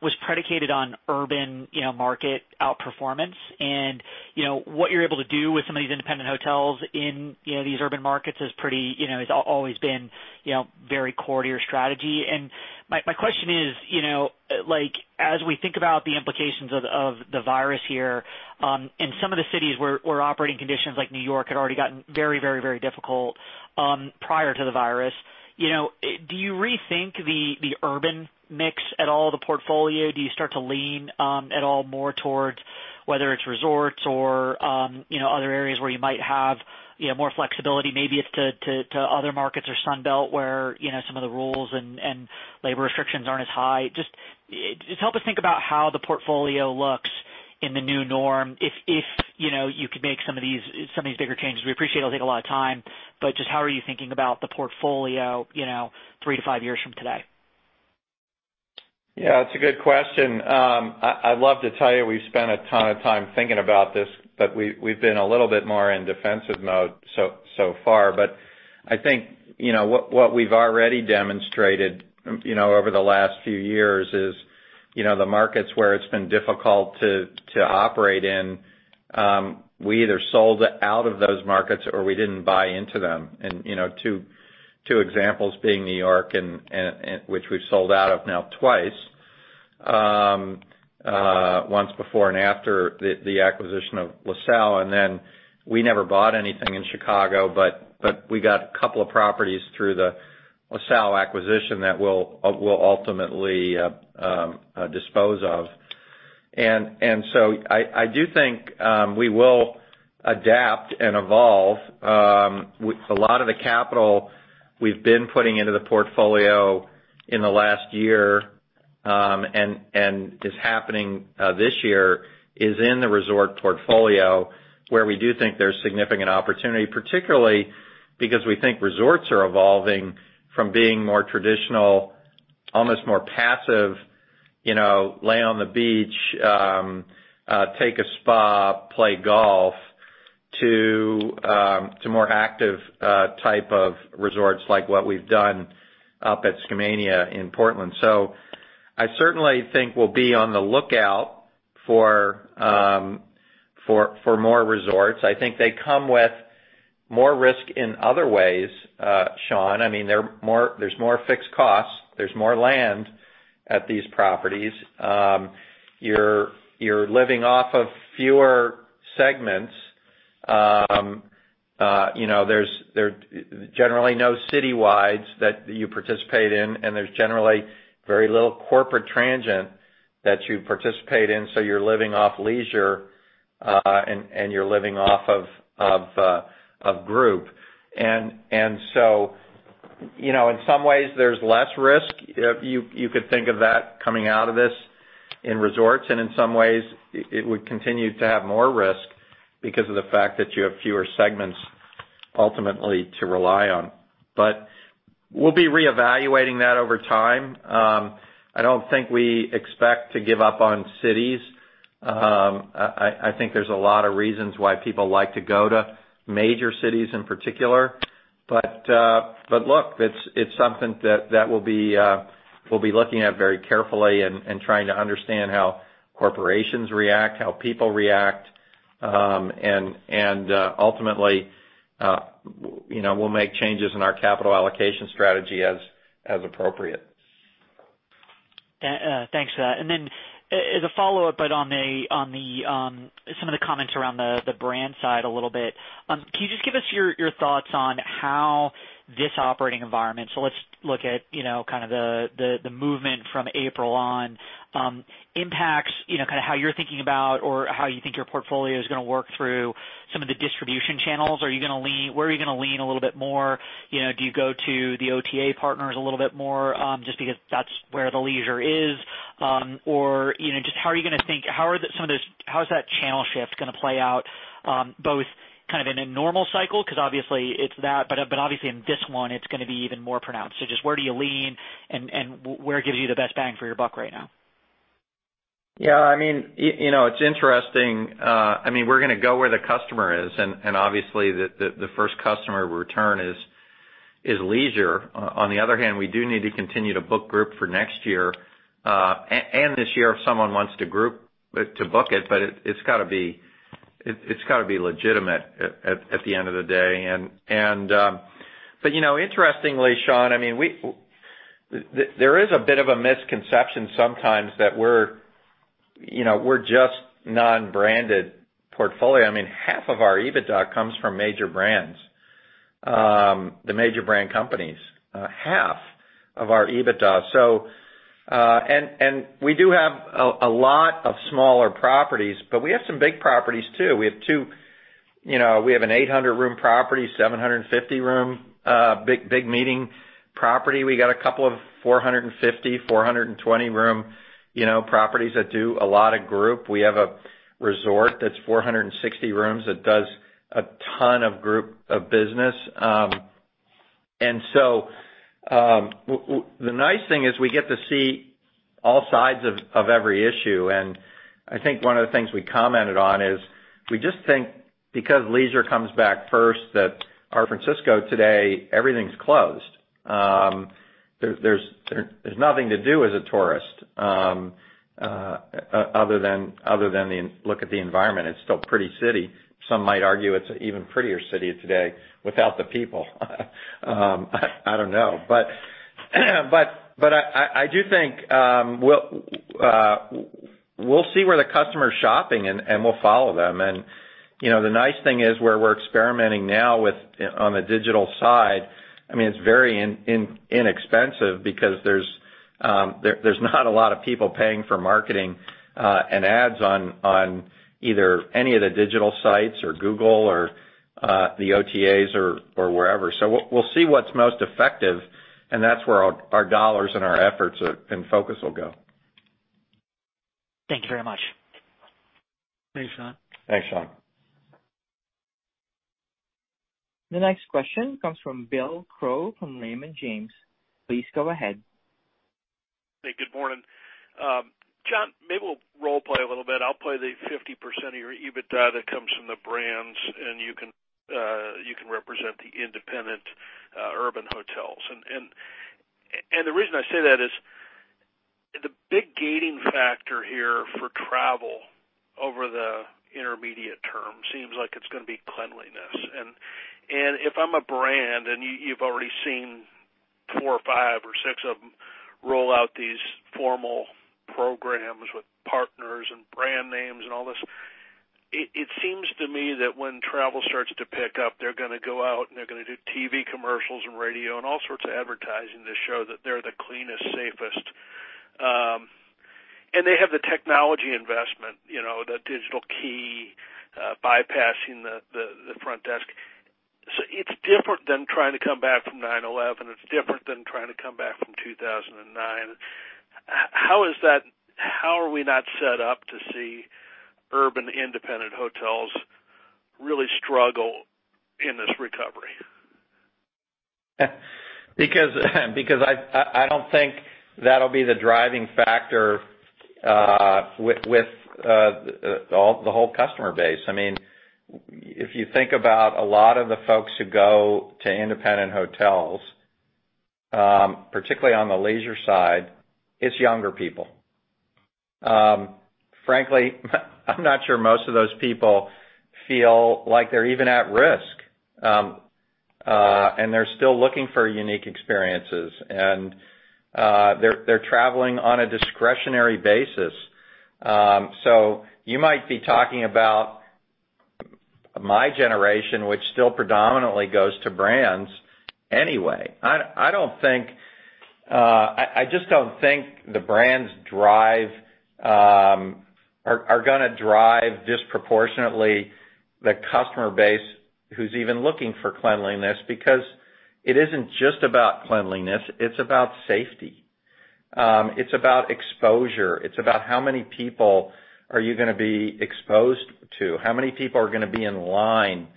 was predicated on urban market outperformance. What you're able to do with some of these independent hotels in these urban markets has always been very core to your strategy. My question is, as we think about the implications of the virus here in some of the cities where operating conditions like New York had already gotten very difficult prior to the virus, do you rethink the urban mix at all of the portfolio? Do you start to lean at all more towards whether it's resorts or other areas where you might have more flexibility, maybe it's to other markets or Sun Belt where some of the rules and labor restrictions aren't as high? Just help us think about how the portfolio looks in the new norm. If you could make some of these bigger changes, we appreciate it'll take a lot of time, just how are you thinking about the portfolio three to five years from today? Yeah, it's a good question. I'd love to tell you we've spent a ton of time thinking about this, but we've been a little bit more in defensive mode so far. I think what we've already demonstrated over the last few years is the markets where it's been difficult to operate in, we either sold out of those markets or we didn't buy into them. Two examples being New York, which we've sold out of now twice, once before and after the acquisition of LaSalle, then we never bought anything in Chicago, but we got a couple of properties through the LaSalle acquisition that we'll ultimately dispose of. I do think we will adapt and evolve. A lot of the capital we've been putting into the portfolio in the last year, and is happening this year, is in the resort portfolio, where we do think there's significant opportunity, particularly because we think resorts are evolving from being more traditional, almost more passive, lay on the beach, take a spa, play golf, to more active type of resorts, like what we've done up at Skamania in Portland. I certainly think we'll be on the lookout for more resorts. I think they come with more risk in other ways, Shaun. There's more fixed costs. There's more land at these properties. You're living off of fewer segments. There's generally no citywides that you participate in, and there's generally very little corporate transient that you participate in, so you're living off leisure, and you're living off of group. In some ways, there's less risk. You could think of that coming out of this in resorts, and in some ways, it would continue to have more risk because of the fact that you have fewer segments ultimately to rely on. We'll be reevaluating that over time. I don't think we expect to give up on cities. I think there's a lot of reasons why people like to go to major cities in particular. Look, it's something that we'll be looking at very carefully and trying to understand how corporations react, how people react, and ultimately we'll make changes in our capital allocation strategy as appropriate. Thanks for that. As a follow-up, on some of the comments around the brand side a little bit, can you just give us your thoughts on how this operating environment, so let's look at kind of the movement from April on, impacts kind of how you're thinking about or how you think your portfolio is going to work through some of the distribution channels? Where are you going to lean a little bit more? Do you go to the OTA partners a little bit more, just because that's where the leisure is? Just how are you going to think? How is that channel shift going to play out, both kind of in a normal cycle, because obviously it's that, but obviously in this one, it's going to be even more pronounced? Just where do you lean and where gives you the best bang for your buck right now? Yeah, it's interesting. We're going to go where the customer is, and obviously, the first customer return is leisure. On the other hand, we do need to continue to book group for next year, and this year if someone wants to book it, but it's got to be legitimate at the end of the day. Interestingly, Shaun, there is a bit of a misconception sometimes that we're just non-branded portfolio. Half of our EBITDA comes from major brands, the major brand companies. Half of our EBITDA. We do have a lot of smaller properties, but we have some big properties too. We have an 800-room property, 750-room, big meeting property. We got a couple of 450, 420-room properties that do a lot of group. We have a resort that's 460 rooms that does a ton of group of business. The nice thing is we get to see all sides of every issue. I think one of the things we commented on is we just think because leisure comes back first that our Francisco today, everything's closed. There's nothing to do as a tourist other than look at the environment. It's still a pretty city. Some might argue it's an even prettier city today without the people. I don't know. I do think we'll see where the customer's shopping and we'll follow them. The nice thing is where we're experimenting now on the digital side, it's very inexpensive because there's not a lot of people paying for marketing and ads on either any of the digital sites or Google or the OTAs or wherever. We'll see what's most effective, and that's where our dollars and our efforts and focus will go. Thank you very much. Thanks, Shaun. The next question comes from Bill Crow from Raymond James. Please go ahead. Hey, good morning. Jon, maybe we'll role play a little bit. I'll play the 50% of your EBITDA that comes from the brands, and you can represent the independent urban hotels. The reason I say that is the big gating factor here for travel over the intermediate term seems like it's going to be cleanliness. If I'm a brand, and you've already seen four or five or six of them roll out these formal programs with partners and brand names and all this, it seems to me that when travel starts to pick up, they're going to go out and they're going to do TV commercials and radio and all sorts of advertising to show that they're the cleanest, safest. They have the technology investment, the digital key bypassing the front desk. It's different than trying to come back from 9/11. It's different than trying to come back from 2009. How are we not set up to see urban independent hotels really struggle in this recovery? I don't think that'll be the driving factor with the whole customer base. If you think about a lot of the folks who go to independent hotels, particularly on the leisure side, it's younger people. Frankly, I'm not sure most of those people feel like they're even at risk, and they're still looking for unique experiences, and they're traveling on a discretionary basis. You might be talking about my generation, which still predominantly goes to brands anyway. I just don't think the brands are going to drive disproportionately the customer base who's even looking for cleanliness because it isn't just about cleanliness, it's about safety. It's about exposure. It's about how many people are you going to be exposed to? How many people are going to be in line?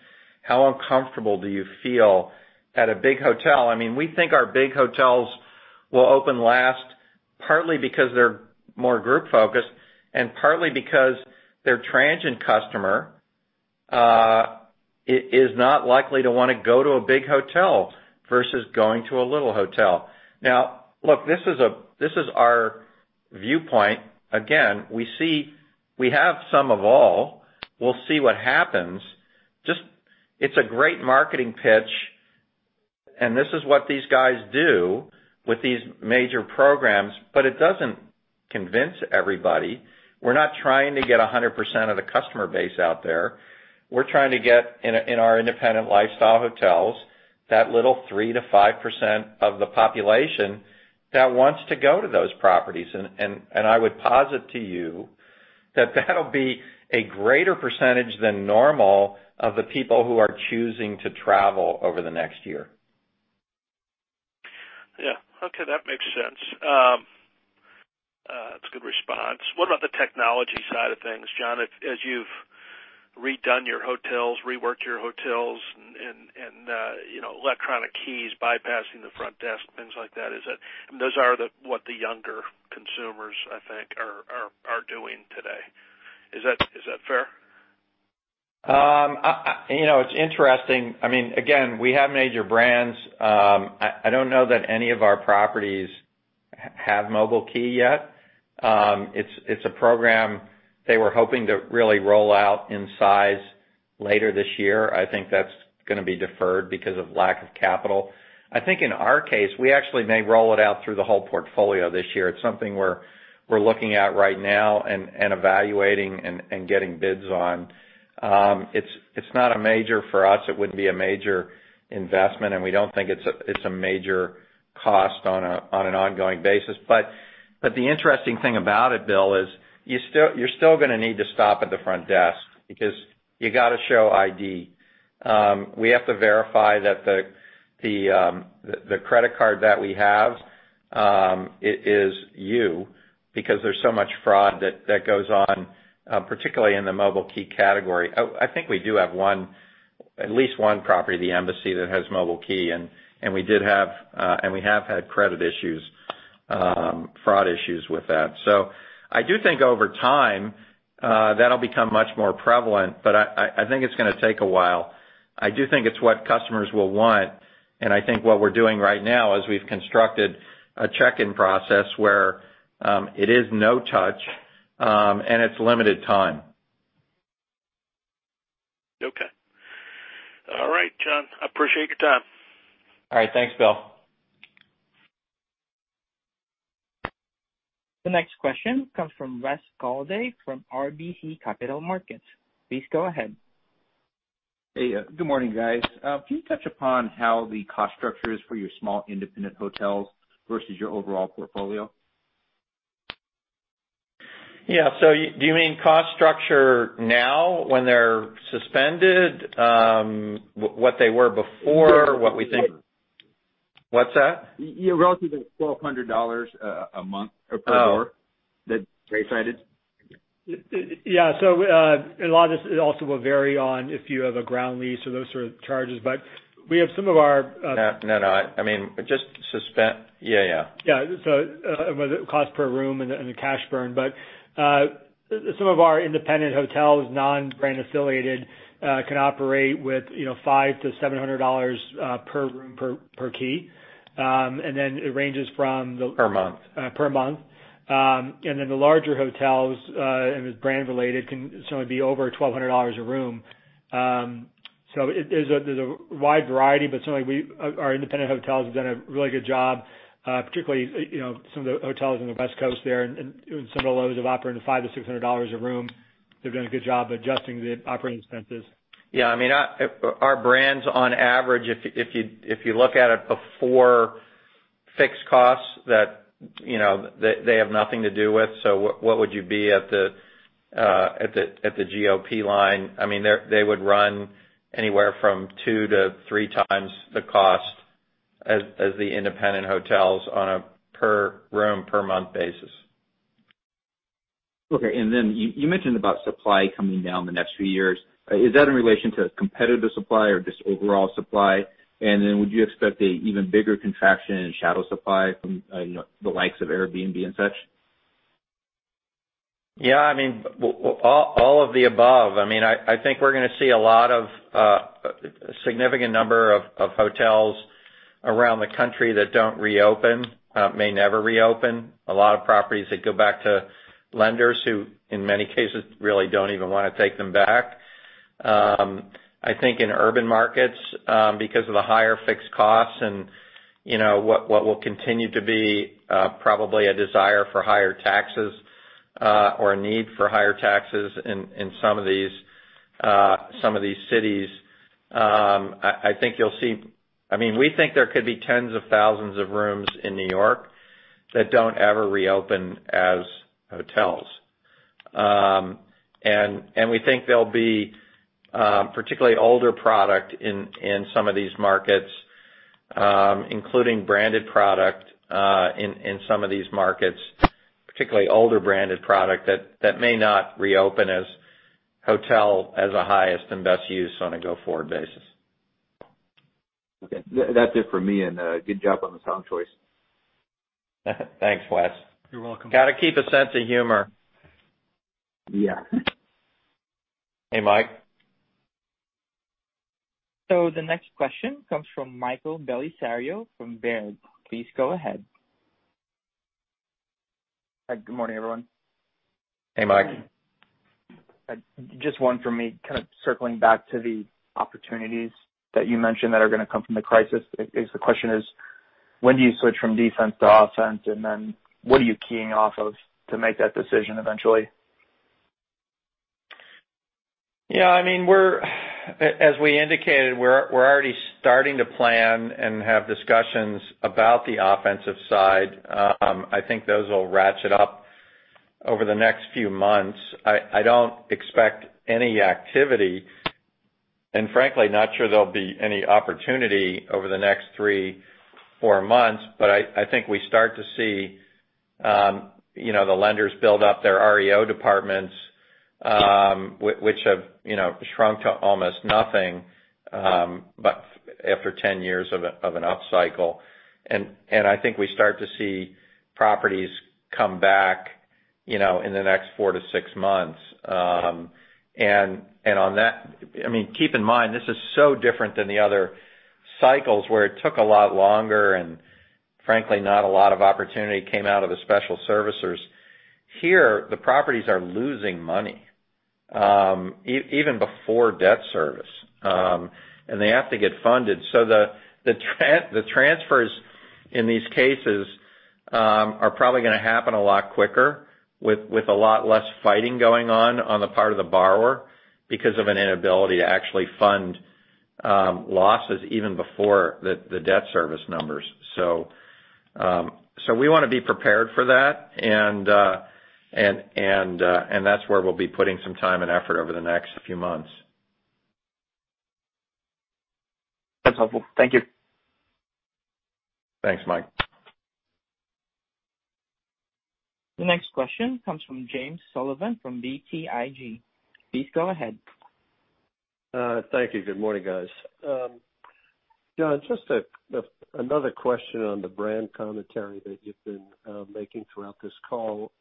How uncomfortable do you feel at a big hotel? We think our big hotels will open last. Partly because they're more group-focused, and partly because their transient customer is not likely to want to go to a big hotel versus going to a little hotel. Look, this is our viewpoint. We have some of all. We'll see what happens. It's a great marketing pitch, and this is what these guys do with these major programs, but it doesn't convince everybody. We're not trying to get 100% of the customer base out there. We're trying to get, in our independent lifestyle hotels, that little 3%-5% of the population that wants to go to those properties. I would posit to you that that'll be a greater percentage than normal of the people who are choosing to travel over the next year. That makes sense. That's a good response. What about the technology side of things, Jon? As you've redone your hotels, reworked your hotels and electronic keys bypassing the front desk, things like that. Those are what the younger consumers, I think, are doing today. Is that fair? It's interesting. Again, we have major brands. I don't know that any of our properties have mobile key yet. It's a program they were hoping to really roll out in size later this year. I think that's going to be deferred because of lack of capital. I think in our case, we actually may roll it out through the whole portfolio this year. It's something we're looking at right now and evaluating and getting bids on. It's not a major for us. It wouldn't be a major investment, and we don't think it's a major cost on an ongoing basis. The interesting thing about it, Bill, is you're still going to need to stop at the front desk because you got to show ID. We have to verify that the credit card that we have is you, because there's so much fraud that goes on, particularly in the mobile key category. I think we do have at least one property, the Embassy, that has mobile key, and we have had credit issues, fraud issues with that. I do think over time, that'll become much more prevalent, but I think it's going to take a while. I do think it's what customers will want, and I think what we're doing right now is we've constructed a check-in process where it is no touch, and it's limited time. Okay. All right, Jon, I appreciate your time. All right. Thanks, Bill. The next question comes from Wes Golladay from RBC Capital Markets. Please go ahead. Hey, good morning, guys. Can you touch upon how the cost structure is for your small independent hotels versus your overall portfolio? Yeah. Do you mean cost structure now when they're suspended? What they were before? What's that? Yeah, relative to $1,200 a month or per door that they cited. Yeah. A lot of this also will vary on if you have a ground lease or those sort of charges, but we have some of whether cost per room and the cash burn. Some of our independent hotels, non-brand affiliated, can operate with $500-$700 per room, per key per month. The larger hotels, and is brand related, can certainly be over $1,200 a room. There's a wide variety, but certainly our independent hotels have done a really good job, particularly some of the hotels on the West Coast there and some of the lodges have operated $500-$600 a room. They've done a good job adjusting the operating expenses. Yeah. Our brands on average, if you look at it before fixed costs that they have nothing to do with. What would you be at the GOP line? They would run anywhere from 2x-3x the cost as the independent hotels on a per room, per month basis. Okay. You mentioned about supply coming down the next few years. Is that in relation to competitive supply or just overall supply? Would you expect an even bigger contraction in shadow supply from the likes of Airbnb and such? All of the above. I think we're going to see a significant number of hotels around the country that don't reopen, may never reopen. A lot of properties that go back to lenders who in many cases really don't even want to take them back. I think in urban markets, because of the higher fixed costs and what will continue to be probably a desire for higher taxes, or a need for higher taxes in some of these cities. We think there could be tens of thousands of rooms in New York that don't ever reopen as hotels. We think there'll be particularly older product in some of these markets, including branded product, in some of these markets, particularly older branded product that may not reopen as hotel as a highest and best use on a go-forward basis. Okay. That's it for me, and good job on the song choice. Thanks, Wes. You're welcome. Got to keep a sense of humor. The next question comes from Michael Bellisario from Baird. Please go ahead. Hi. Good morning, everyone. Hey, Mike. Just one from me, kind of circling back to the opportunities that you mentioned that are going to come from the crisis. I guess the question is, when do you switch from defense to offense, and then what are you keying off of to make that decision eventually? Yeah. As we indicated, we're already starting to plan and have discussions about the offensive side. I think those will ratchet up over the next few months. I don't expect any activity, and frankly, not sure there'll be any opportunity over the next three, four months. I think we start to see the lenders build up their REO departments, which have shrunk to almost nothing, but after 10 years of an upcycle. I think we start to see properties come back in the next four to six months. I mean, keep in mind, this is so different than the other cycles where it took a lot longer, and frankly, not a lot of opportunity came out of the special servicers. Here, the properties are losing money, even before debt service. They have to get funded. The transfers in these cases are probably going to happen a lot quicker with a lot less fighting going on the part of the borrower, because of an inability to actually fund losses even before the debt service numbers. We want to be prepared for that, and that's where we'll be putting some time and effort over the next few months. That's helpful. Thank you. Thanks, Mike. The next question comes from James Sullivan from BTIG. Please go ahead. Thank you. Good morning, guys. Jon, just another question on the brand commentary that you've been making throughout this call.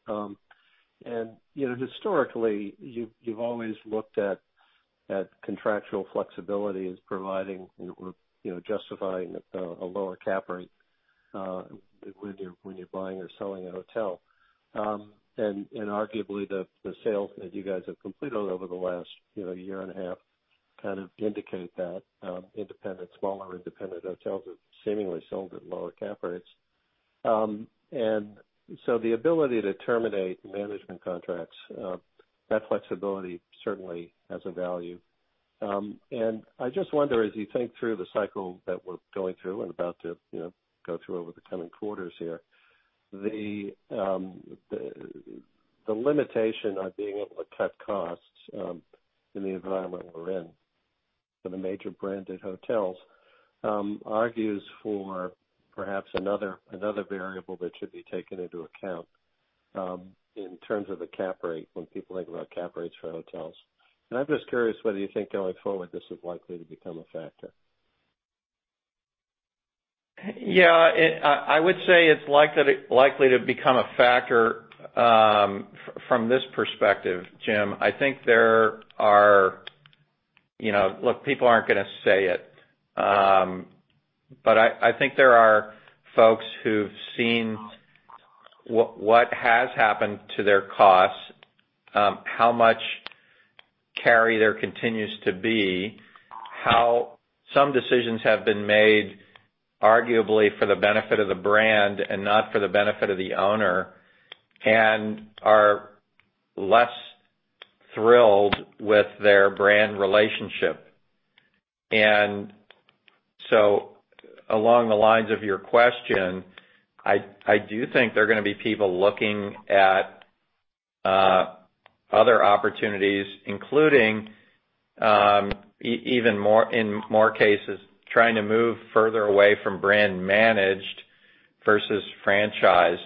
Historically, you've always looked at contractual flexibility as providing or justifying a lower cap rate when you're buying or selling a hotel. Arguably, the sales that you guys have completed over the last year and a half kind of indicate that independent, smaller independent hotels have seemingly sold at lower cap rates. So the ability to terminate management contracts, that flexibility certainly has a value. I just wonder, as you think through the cycle that we're going through and about to go through over the coming quarters here, the limitation on being able to cut costs in the environment we're in for the major branded hotels argues for perhaps another variable that should be taken into account in terms of the cap rate when people think about cap rates for hotels. I'm just curious whether you think going forward, this is likely to become a factor. Yeah. I would say it's likely to become a factor from this perspective, Jim. Look, people aren't going to say it. I think there are folks who've seen what has happened to their costs, how much carry there continues to be, how some decisions have been made, arguably for the benefit of the brand and not for the benefit of the owner, and are less thrilled with their brand relationship. Along the lines of your question, I do think there are going to be people looking at other opportunities, including, in more cases, trying to move further away from brand-managed versus franchised,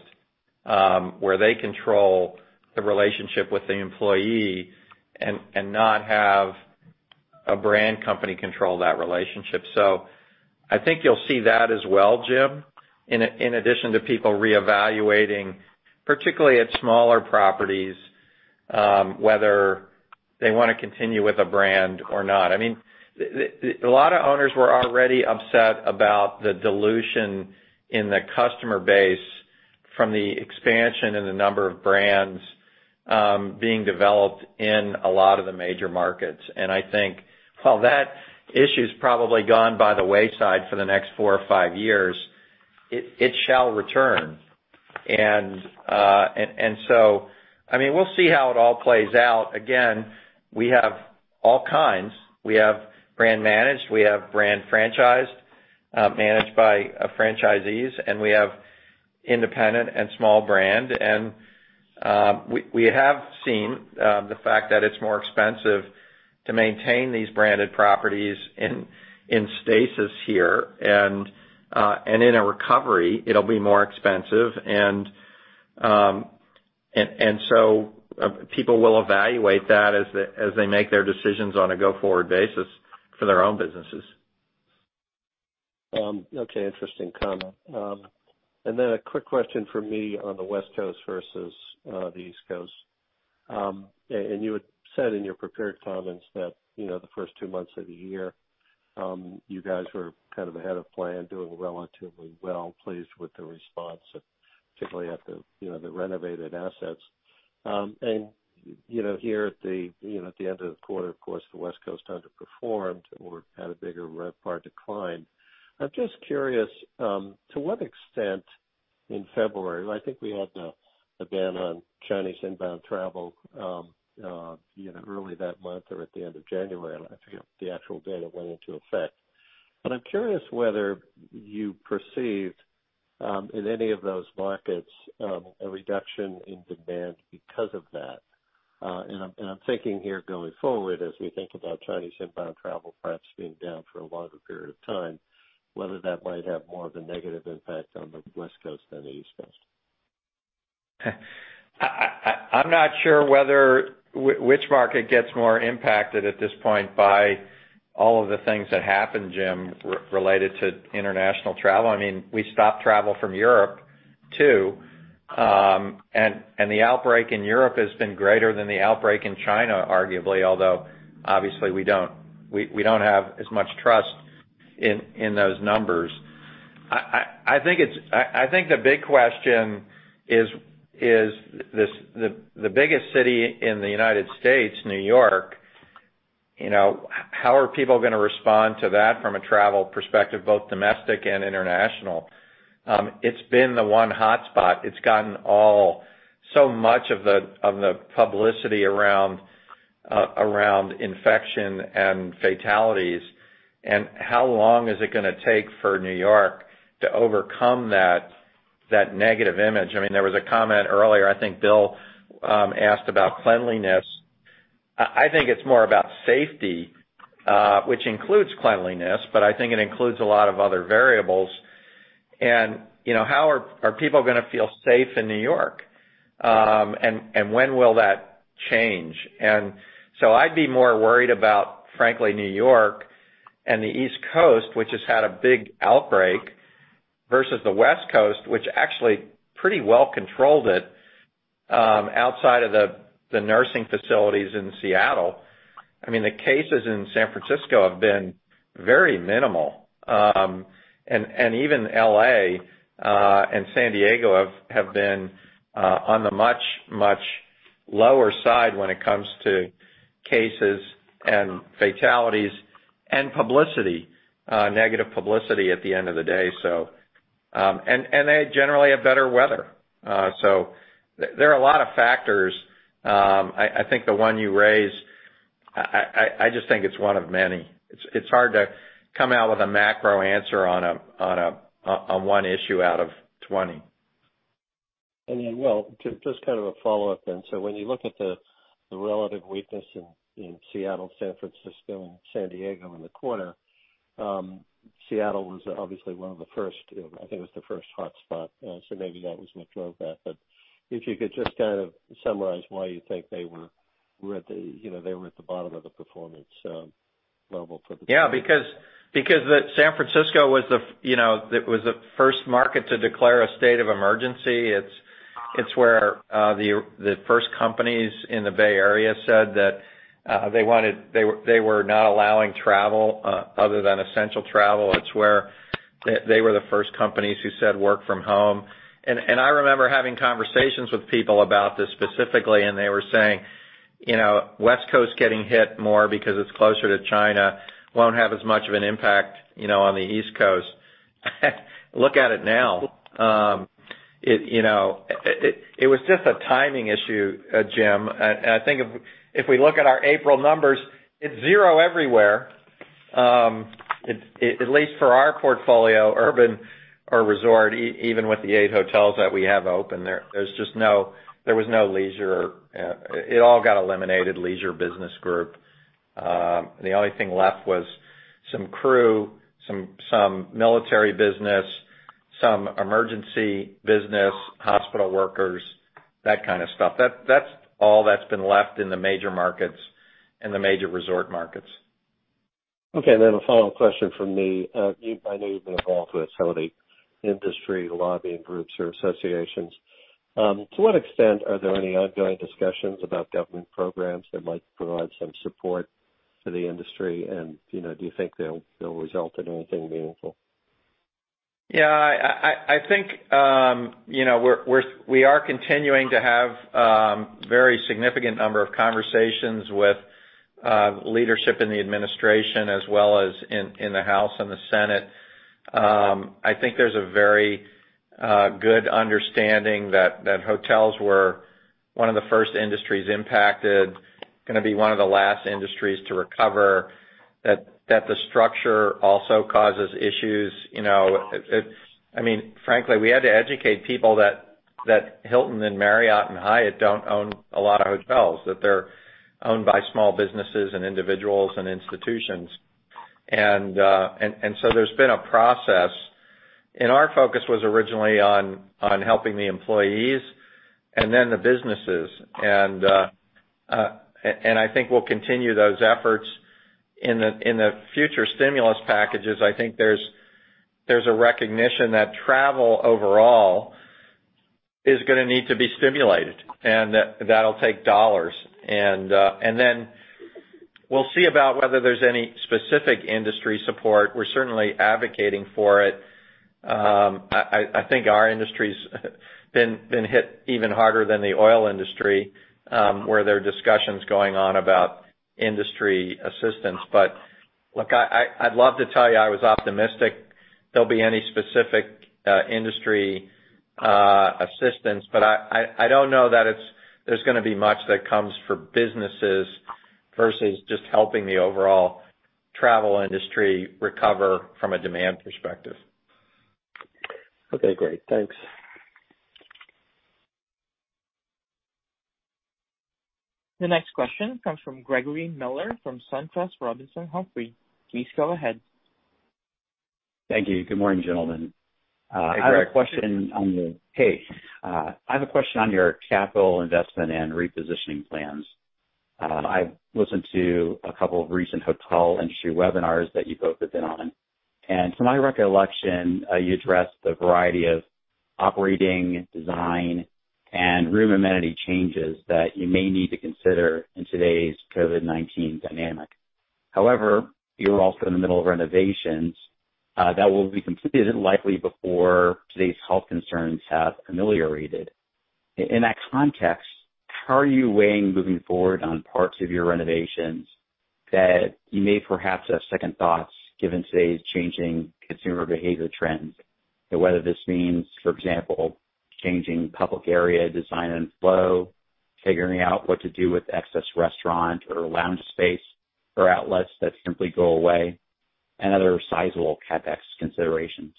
where they control the relationship with the employee, and not have a brand company control that relationship. I think you'll see that as well, Jim, in addition to people reevaluating, particularly at smaller properties, whether they want to continue with a brand or not. A lot of owners were already upset about the dilution in the customer base from the expansion in the number of brands being developed in a lot of the major markets. I think while that issue's probably gone by the wayside for the next four or five years, it shall return. We'll see how it all plays out. Again, we have all kinds. We have brand managed, we have brand franchised, managed by franchisees, and we have independent and small brand. We have seen the fact that it's more expensive to maintain these branded properties in stasis here. In a recovery, it'll be more expensive. People will evaluate that as they make their decisions on a go-forward basis for their own businesses. Okay, interesting comment. A quick question from me on the West Coast versus the East Coast. You had said in your prepared comments that, the first two months of the year, you guys were kind of ahead of plan, doing relatively well, pleased with the response, particularly at the renovated assets. Here at the end of the quarter, of course, the West Coast underperformed or had a bigger RevPAR decline. I'm just curious, to what extent in February, I think we had the ban on Chinese inbound travel early that month or at the end of January, I think the actual ban went into effect. I'm curious whether you perceived, in any of those markets, a reduction in demand because of that. I'm thinking here going forward as we think about Chinese inbound travel perhaps being down for a longer period of time, whether that might have more of a negative impact on the West Coast than the East Coast. I'm not sure which market gets more impacted at this point by all of the things that happened, Jim, related to international travel. We stopped travel from Europe too. The outbreak in Europe has been greater than the outbreak in China, arguably, although obviously, we don't have as much trust in those numbers. I think the big question is the biggest city in the U.S., New York, how are people going to respond to that from a travel perspective, both domestic and international? It's been the one hotspot. It's gotten so much of the publicity around infection and fatalities, how long is it going to take for New York to overcome that negative image? There was a comment earlier, I think Bill asked about cleanliness. I think it's more about safety, which includes cleanliness, but I think it includes a lot of other variables. How are people going to feel safe in New York? When will that change? I'd be more worried about, frankly, New York and the East Coast, which has had a big outbreak, versus the West Coast, which actually pretty well controlled it outside of the nursing facilities in Seattle. The cases in San Francisco have been very minimal. Even L.A. and San Diego have been on the much, much lower side when it comes to cases and fatalities and publicity, negative publicity at the end of the day. They generally have better weather. There are a lot of factors. I think the one you raised, I just think it's one of many. It's hard to come out with a macro answer on one issue out of 20. Wes, just kind of a follow-up then. When you look at the relative weakness in Seattle, San Francisco, and San Diego in the quarter, Seattle was obviously one of the first, I think it was the first hotspot, so maybe that was much of that. If you could just kind of summarize why you think they were at the bottom of the performance level for the- Yeah. San Francisco was the first market to declare a state of emergency. It's where the first companies in the Bay Area said that they were not allowing travel other than essential travel. It's where they were the first companies who said work from home. I remember having conversations with people about this specifically, and they were saying, "West Coast getting hit more because it's closer to China, won't have as much of an impact on the East Coast." Look at it now. It was just a timing issue, Jim. I think if we look at our April numbers, it's zero everywhere. At least for our portfolio, urban or resort, even with the eight hotels that we have open, there was no leisure. It all got eliminated, leisure business group. The only thing left was some crew, some military business, some emergency business, hospital workers, that kind of stuff. That's all that's been left in the major markets and the major resort markets. Okay, a final question from me. You have been involved with hotel industry lobbying groups or associations. To what extent are there any ongoing discussions about government programs that might provide some support for the industry? Do you think they'll result in anything meaningful? Yeah. I think we are continuing to have very significant number of conversations with leadership in the administration as well as in the House and the Senate. I think there's a very good understanding that hotels were one of the first industries impacted, going to be one of the last industries to recover, that the structure also causes issues. Frankly, we had to educate people that Hilton and Marriott and Hyatt don't own a lot of hotels, that they're owned by small businesses and individuals and institutions. There's been a process. Our focus was originally on helping the employees and then the businesses. I think we'll continue those efforts in the future stimulus packages. I think there's a recognition that travel overall is going to need to be stimulated, and that'll take dollars. Then we'll see about whether there's any specific industry support. We're certainly advocating for it. I think our industry's been hit even harder than the oil industry, where there are discussions going on about industry assistance. Look, I'd love to tell you I was optimistic there'll be any specific industry assistance, but I don't know that there's going to be much that comes for businesses versus just helping the overall travel industry recover from a demand perspective. Okay, great. Thanks. The next question comes from Gregory Miller from SunTrust Robinson Humphrey. Please go ahead. Thank you. Good morning, gentlemen. Hey, Greg. Hey. I have a question on your capital investment and repositioning plans. I listened to a couple of recent hotel industry webinars that you both have been on, and to my recollection, you addressed the variety of operating design and room amenity changes that you may need to consider in today's COVID-19 dynamic. You're also in the middle of renovations that will be completed likely before today's health concerns have ameliorated. In that context, how are you weighing moving forward on parts of your renovations that you may perhaps have second thoughts given today's changing consumer behavior trends? Whether this means, for example, changing public area design and flow, figuring out what to do with excess restaurant or lounge space or outlets that simply go away, and other sizable CapEx considerations.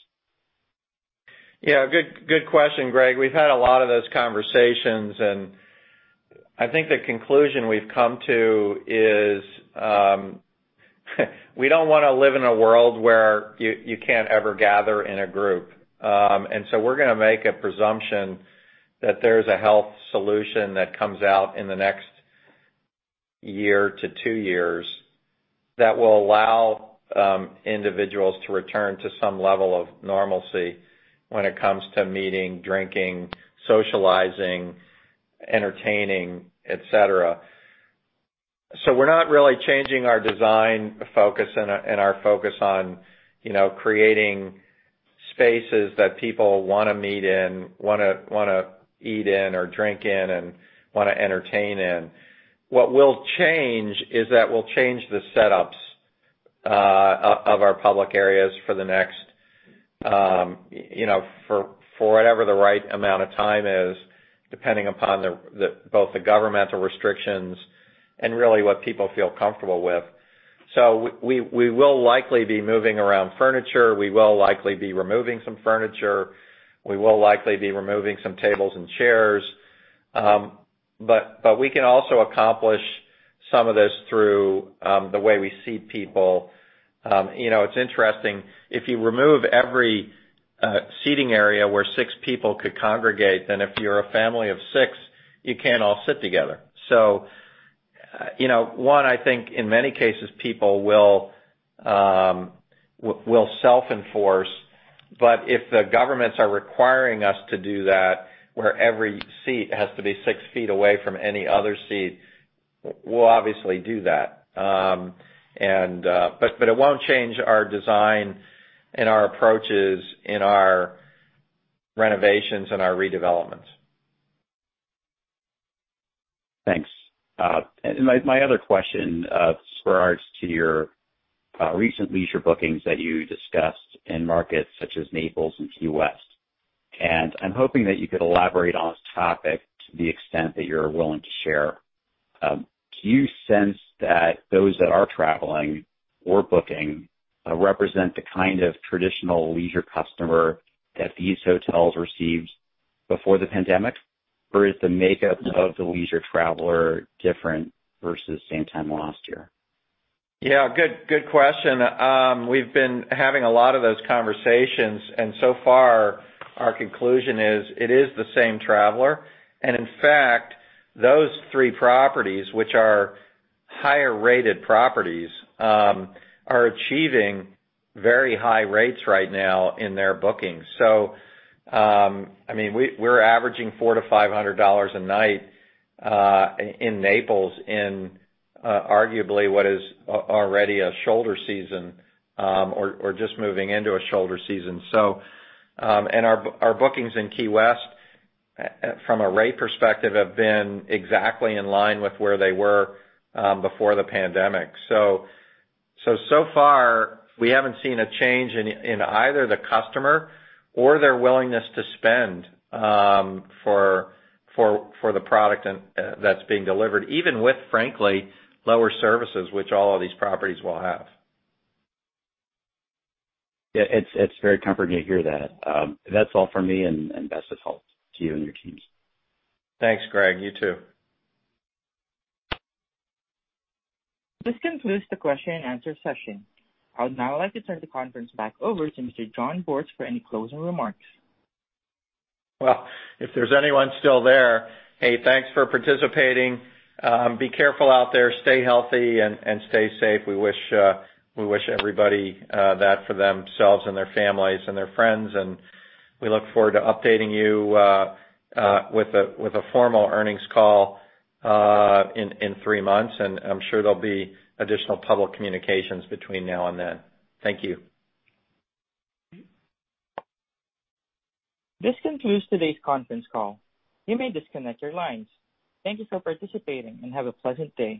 Yeah, good question, Greg. We've had a lot of those conversations, and I think the conclusion we've come to is we don't want to live in a world where you can't ever gather in a group. We're going to make a presumption that there's a health solution that comes out in the next year to two years that will allow individuals to return to some level of normalcy when it comes to meeting, drinking, socializing, entertaining, et cetera. We're not really changing our design focus and our focus on creating spaces that people want to meet in, want to eat in or drink in and want to entertain in. What we'll change is that we'll change the setups of our public areas for whatever the right amount of time is, depending upon both the governmental restrictions and really what people feel comfortable with. We will likely be moving around furniture. We will likely be removing some furniture. We will likely be removing some tables and chairs. We can also accomplish some of this through the way we seat people. It's interesting. If you remove every seating area where six people could congregate, then if you're a family of six, you can't all sit together. One, I think in many cases, people will self-enforce, but if the governments are requiring us to do that, where every seat has to be six feet away from any other seat, we'll obviously do that. It won't change our design and our approaches in our renovations and our redevelopments. Thanks. My other question regards to your recent leisure bookings that you discussed in markets such as Naples and Key West, and I'm hoping that you could elaborate on this topic to the extent that you're willing to share. Do you sense that those that are traveling or booking represent the kind of traditional leisure customer that these hotels received before the pandemic? Or is the makeup of the leisure traveler different versus same time last year? Yeah. Good question. We've been having a lot of those conversations. So far our conclusion is it is the same traveler. In fact, those three properties, which are higher-rated properties, are achieving very high rates right now in their bookings. We're averaging $400-$500 a night in Naples in arguably what is already a shoulder season, or just moving into a shoulder season. Our bookings in Key West, from a rate perspective, have been exactly in line with where they were before the pandemic. So far we haven't seen a change in either the customer or their willingness to spend for the product that's being delivered, even with, frankly, lower services, which all of these properties will have. Yeah, it's very comforting to hear that. That's all for me, and best of health to you and your teams. Thanks, Greg. You too. This concludes the question-and-answer session. I would now like to turn the conference back over to Mr. Jon Bortz for any closing remarks. Well, if there's anyone still there, hey, thanks for participating. Be careful out there, stay healthy, and stay safe. We wish everybody that for themselves and their families and their friends, and we look forward to updating you with a formal earnings call in three months, and I'm sure there'll be additional public communications between now and then. Thank you. This concludes today's conference call. You may disconnect your lines. Thank you for participating, and have a pleasant day.